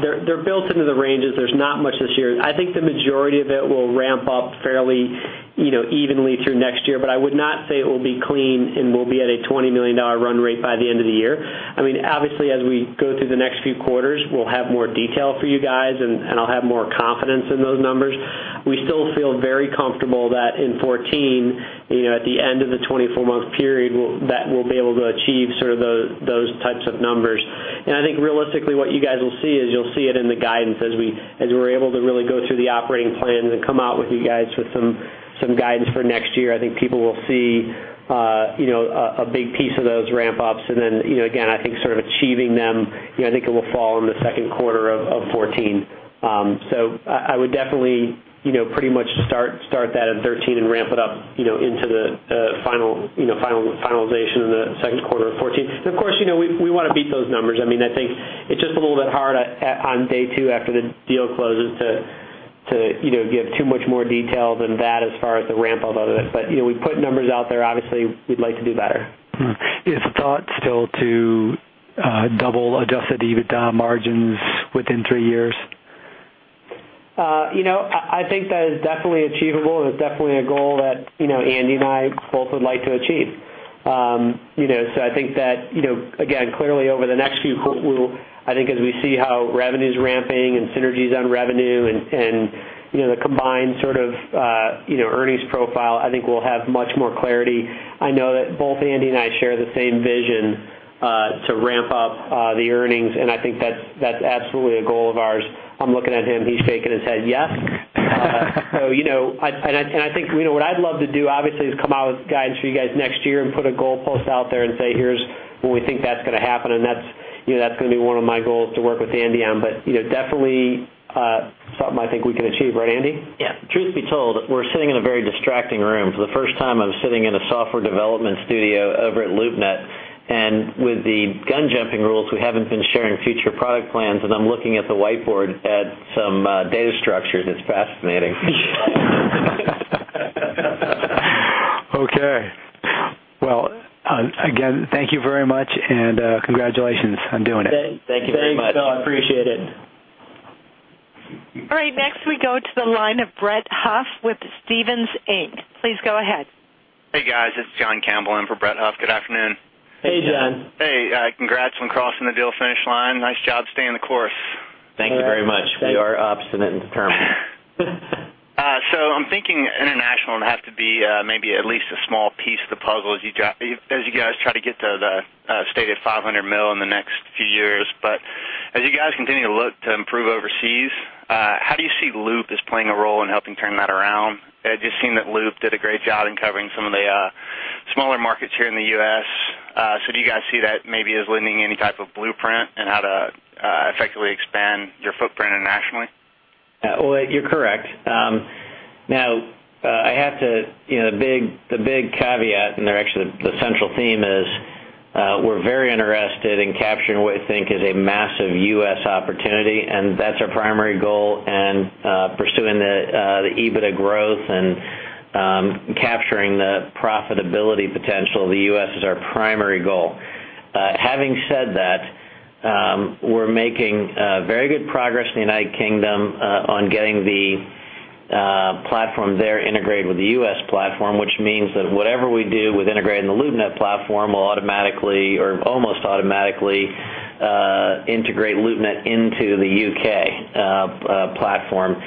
They're built into the ranges. There's not much this year. I think the majority of it will ramp up fairly evenly through next year. I would not say it will be clean and will be at a $20 million run rate by the end of the year. Obviously, as we go through the next few quarters, we'll have more detail for you guys, and I'll have more confidence in those numbers. We still feel very comfortable that in 2014, at the end of the 24-month period, that we'll be able to achieve sort of those types of numbers. I think realistically, what you guys will see is you'll see it in the guidance as we're able to really go through the operating plans and come out with you guys with some guidance for next year. I think people will see a big piece of those ramp-ups. Again, I think sort of achieving them, I think it will fall in the second quarter of 2014. I would definitely pretty much start that in 2013 and ramp it up into the finalization in the second quarter of 2014. Of course, we want to beat those numbers. I think it's just a little bit hard on day two after the deal closes to To give too much more detail than that as far as the ramp of all this. We put numbers out there. Obviously, we'd like to do better. Is the thought still to double adjusted EBITDA margins within three years? I think that is definitely achievable, and it's definitely a goal that Andy and I both would like to achieve. I think that, again, clearly over the next few, I think as we see how revenue's ramping and synergies on revenue and the combined sort of earnings profile, I think we'll have much more clarity. I know that both Andy and I share the same vision to ramp up the earnings, and I think that's absolutely a goal of ours. I'm looking at him, he's shaking his head yes. I think what I'd love to do, obviously, is come out with guidance for you guys next year and put a goalpost out there and say, "Here's when we think that's going to happen." That's going to be one of my goals to work with Andy on. Definitely something I think we can achieve. Right, Andy? Yeah. Truth be told, we're sitting in a very distracting room. For the first time, I'm sitting in a software development studio over at LoopNet. With the gun jumping rules, we haven't been sharing future product plans, and I'm looking at the whiteboard at some data structures. It's fascinating. Okay. Well, again, thank you very much, and congratulations on doing it. Thank you very much. Thanks, Bill. Appreciate it. All right. Next, we go to the line of Brett Huff with Stephens Inc. Please go ahead. Hey, guys. This is John Campbell in for Brett Huff. Good afternoon. Hey, John. Hey. Hey. Congrats on crossing the deal finish line. Nice job staying the course. Thank you very much. We are obstinate and determined. I'm thinking international would have to be maybe at least a small piece of the puzzle as you guys try to get to the stated $500 million in the next few years. As you guys continue to look to improve overseas, how do you see Loop as playing a role in helping turn that around? Just seeing that Loop did a great job in covering some of the smaller markets here in the U.S. Do you guys see that maybe as lending any type of blueprint in how to effectively expand your footprint internationally? Well, you're correct. Now, the big caveat, and they're actually the central theme is, we're very interested in capturing what we think is a massive U.S. opportunity, and that's our primary goal. Pursuing the EBITDA growth and capturing the profitability potential of the U.S. is our primary goal. Having said that, we're making very good progress in the United Kingdom on getting the platform there integrated with the U.S. platform, which means that whatever we do with integrating the LoopNet platform will automatically or almost automatically integrate LoopNet into the U.K. platform.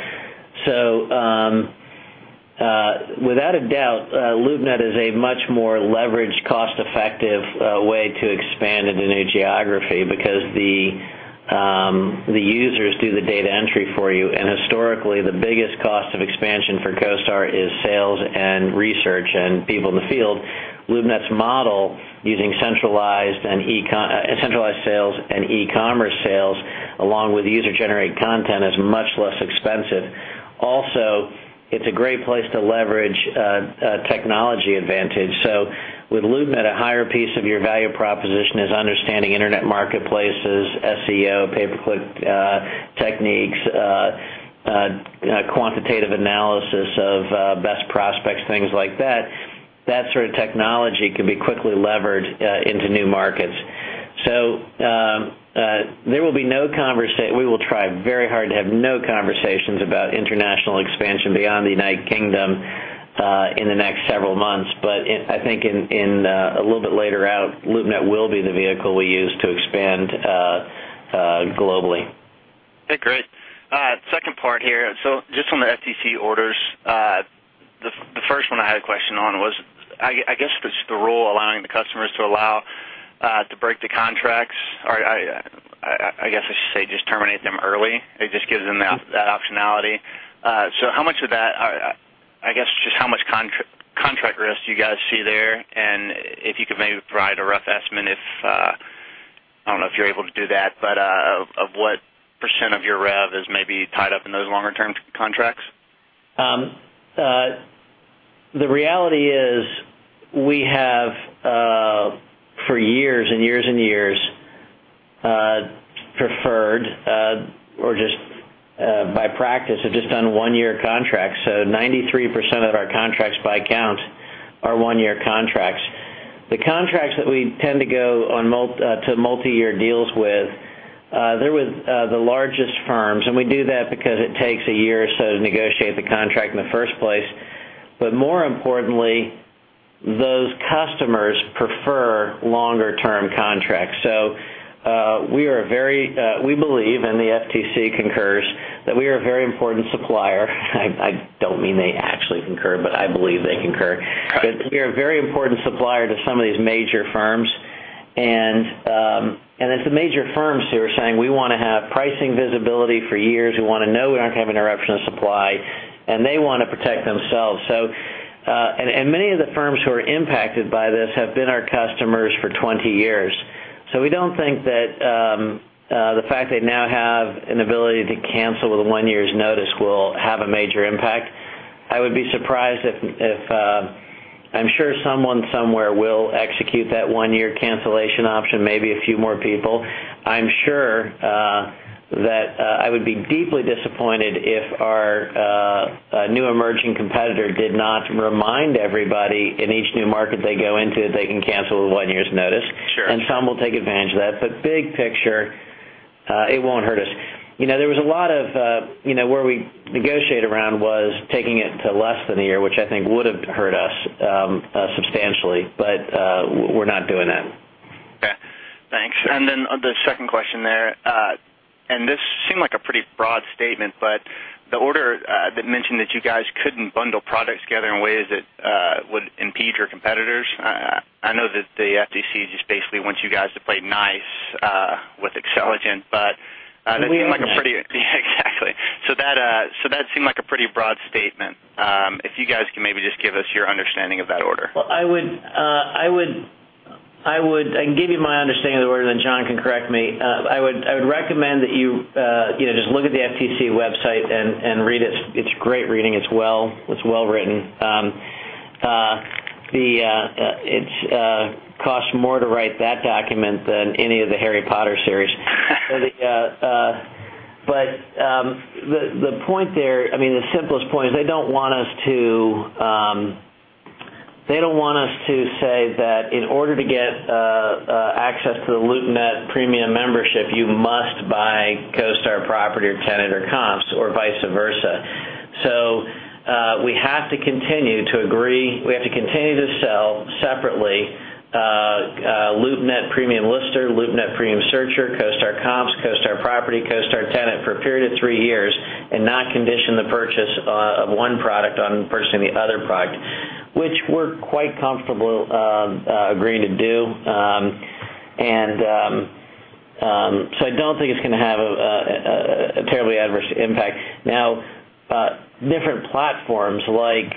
Without a doubt, LoopNet is a much more leveraged, cost-effective way to expand into new geography because the users do the data entry for you. Historically, the biggest cost of expansion for CoStar is sales and research and people in the field. LoopNet's model, using centralized sales and e-commerce sales, along with user-generated content, is much less expensive. It's a great place to leverage technology advantage. With LoopNet, a higher piece of your value proposition is understanding internet marketplaces, SEO, pay-per-click techniques, quantitative analysis of best prospects, things like that. That sort of technology can be quickly leveraged into new markets. We will try very hard to have no conversations about international expansion beyond the U.K. in the next several months. I think in a little bit later out, LoopNet will be the vehicle we use to expand globally. Okay, great. Second part here. Just on the FTC orders. The first one I had a question on was, I guess just the role allowing the customers to allow to break the contracts, or I guess I should say just terminate them early. It just gives them that optionality. How much of that-- I guess, just how much contract risk do you guys see there? And if you could maybe provide a rough estimate if-- I don't know if you're able to do that, but of what % of your rev is maybe tied up in those longer-term contracts? The reality is we have, for years and years and years, preferred, or just by practice, have just done one-year contracts. 93% of our contracts by count are one-year contracts. The contracts that we tend to go to multi-year deals with, they're with the largest firms, and we do that because it takes a year or so to negotiate the contract in the first place. More importantly, those customers prefer longer-term contracts. We believe, and the FTC concurs, that we are a very important supplier. I don't mean they actually concur, but I believe they concur. Got it. We are a very important supplier to some of these major firms, it's the major firms who are saying, "We want to have pricing visibility for years. We want to know we aren't having interruption of supply." They want to protect themselves. Many of the firms who are impacted by this have been our customers for 20 years. We don't think that the fact they now have an ability to cancel with a one-year's notice will have a major impact. I would be surprised if I'm sure someone somewhere will execute that one-year cancellation option, maybe a few more people. I'm sure that I would be deeply disappointed if our new emerging competitor did not remind everybody in each new market they go into that they can cancel with one year's notice. Sure. Some will take advantage of that. Big picture, it won't hurt us. Where we negotiated around was taking it to less than a year, which I think would've hurt us substantially. We're not doing that. Okay, thanks. Then the second question there, this seemed like a pretty broad statement, the order that mentioned that you guys couldn't bundle products together in ways that would impede your competitors. I know that the FTC just basically wants you guys to play nice with Xceligent, that seemed like a pretty broad statement. Exactly. That seemed like a pretty broad statement. If you guys can maybe just give us your understanding of that order. I can give you my understanding of the order, John can correct me. I would recommend that you just look at the FTC website and read it. It's great reading. It's well-written. It costs more to write that document than any of the "Harry Potter" series. The simplest point is they don't want us to say that in order to get access to the LoopNet premium membership, you must buy CoStar Property or Tenant or Comps, or vice versa. We have to continue to sell separately, LoopNet Premium Lister, LoopNet Premium Searcher, CoStar Comps, CoStar Property, CoStar Tenant, for a period of 3 years, and not condition the purchase of one product on purchasing the other product, which we're quite comfortable agreeing to do. I don't think it's going to have a terribly adverse impact. Different platforms like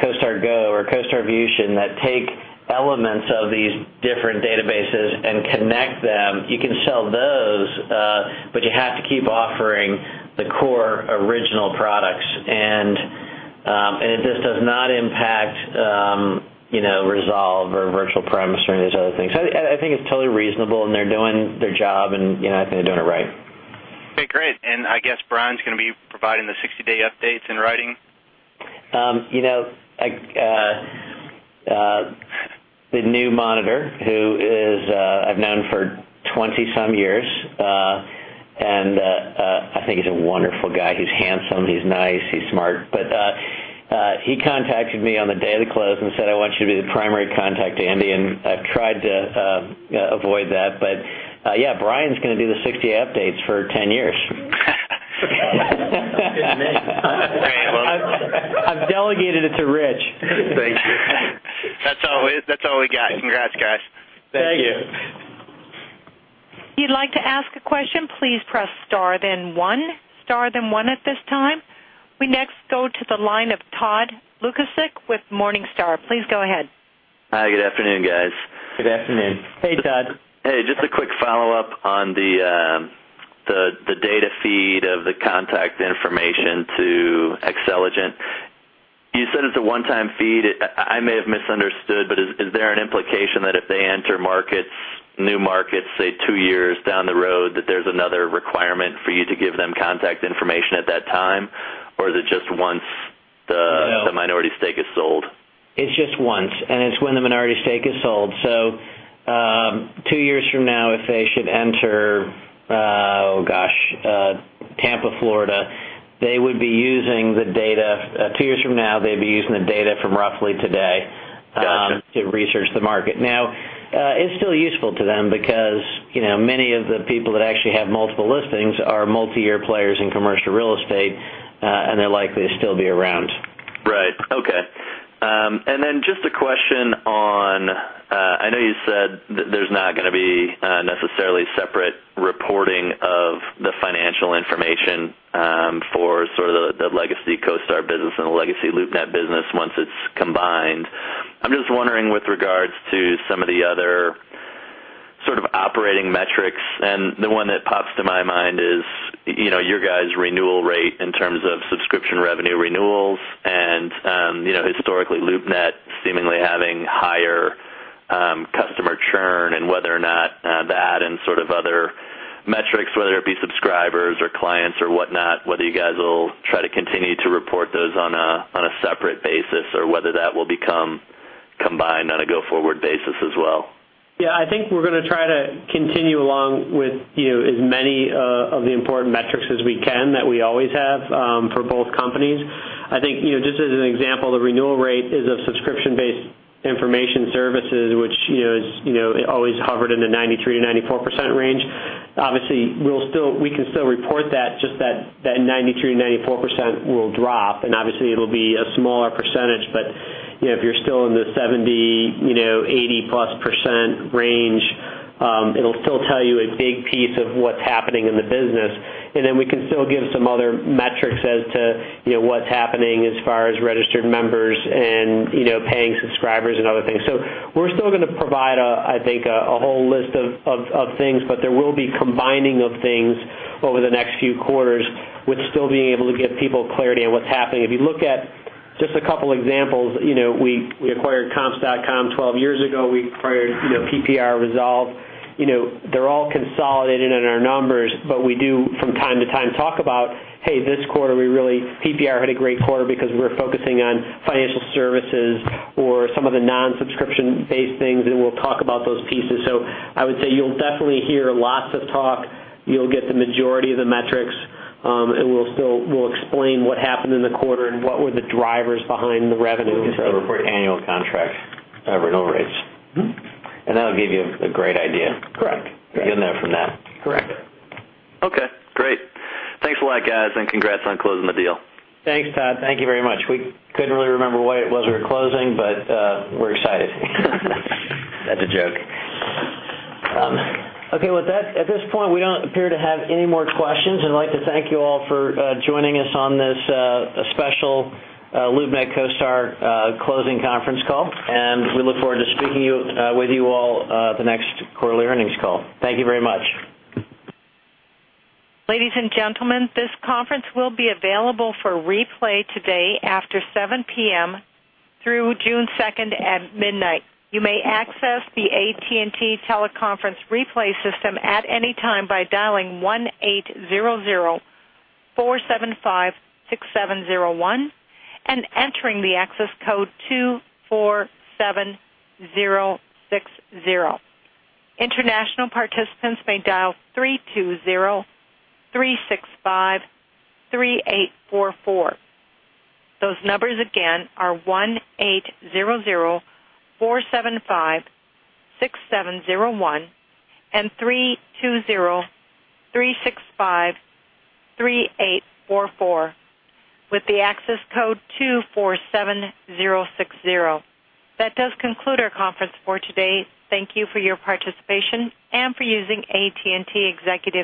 CoStar Go or CoStar Fusion that take elements of these different databases and connect them, you can sell those, but you have to keep offering the core original products. It just does not impact Resolve or Virtual Premise or any of these other things. I think it's totally reasonable, and they're doing their job, and I think they're doing it right. Okay, great. I guess Brian's going to be providing the 60-day updates in writing? The new monitor, who I've known for 20-some years, and I think he's a wonderful guy. He's handsome, he's nice, he's smart. He contacted me on the day of the close and said, "I want you to be the primary contact, Andy," and I tried to avoid that. Yeah, Brian's going to do the 60-day updates for 10 years. Great. I've delegated it to Rich. Thank you. That's all we got. Congrats, guys. Thank you. Thank you. If you'd like to ask a question, please press star then one. Star then one at this time. We next go to the line of Todd Lukach with Morningstar. Please go ahead. Hi, good afternoon, guys. Good afternoon. Hey, Todd. Hey, just a quick follow-up on the data feed of the contact information to Xceligent. You said it's a one-time feed. I may have misunderstood, but is there an implication that if they enter new markets, say, two years down the road, that there's another requirement for you to give them contact information at that time? Or is it just once the- No the minority stake is sold? It's just once, and it's when the minority stake is sold. Two years from now, if they should enter, oh, gosh, Tampa, Florida, two years from now, they'd be using the data from roughly today- Gotcha to research the market. Now, it's still useful to them because many of the people that actually have multiple listings are multi-year players in commercial real estate, and they're likely to still be around. Right. Okay. Just a question on I know you said there's not going to be necessarily separate reporting of the financial information for sort of the legacy CoStar business and the legacy LoopNet business once it's combined. I'm just wondering, with regards to some of the other sort of operating metrics, and the one that pops to my mind is your guys' renewal rate in terms of subscription revenue renewals and historically LoopNet seemingly having higher customer churn and whether or not that and sort of other metrics, whether it be subscribers or clients or whatnot, whether you guys will try to continue to report those on a separate basis or whether that will become combined on a go-forward basis as well. Yeah, I think we're going to try to continue along with as many of the important metrics as we can that we always have for both companies. I think just as an example, the renewal rate is a subscription-based information services, which has always hovered in the 93%-94% range. Obviously, we can still report that, just that that 93%-94% will drop, and obviously, it'll be a smaller percentage, but if you're still in the 70%, 80-plus% range, it'll still tell you a big piece of what's happening in the business. We can still give some other metrics as to what's happening as far as registered members Paying subscribers and other things. We're still going to provide, I think, a whole list of things, but there will be combining of things over the next few quarters with still being able to give people clarity on what's happening. If you look at just a couple examples, we acquired COMPS.COM 12 years ago. We acquired PPR Resolve. They're all consolidated in our numbers, but we do, from time to time, talk about, "Hey, this quarter, PPR had a great quarter because we're focusing on financial services or some of the non-subscription-based things," and we'll talk about those pieces. I would say you'll definitely hear lots of talk. You'll get the majority of the metrics, and we'll explain what happened in the quarter and what were the drivers behind the revenue. We'll just report annual contract renewal rates. Mm-hmm. That'll give you a great idea. Correct. You'll know from that. Correct. Okay, great. Thanks a lot, guys, congrats on closing the deal. Thanks, Todd. Thank you very much. We couldn't really remember what it was we were closing, we're excited. That's a joke. With that, at this point, we don't appear to have any more questions. I'd like to thank you all for joining us on this special LoopNet CoStar closing conference call, we look forward to speaking with you all the next quarterly earnings call. Thank you very much. Ladies and gentlemen, this conference will be available for replay today after 7:00 P.M. through June 2nd at midnight. You may access the AT&T teleconference replay system at any time by dialing 1-800-475-6701 and entering the access code 247060. International participants may dial 320-365-3844. Those numbers again are 1-800-475-6701 and 320-365-3844 with the access code 247060. That does conclude our conference for today. Thank you for your participation and for using AT&T Executive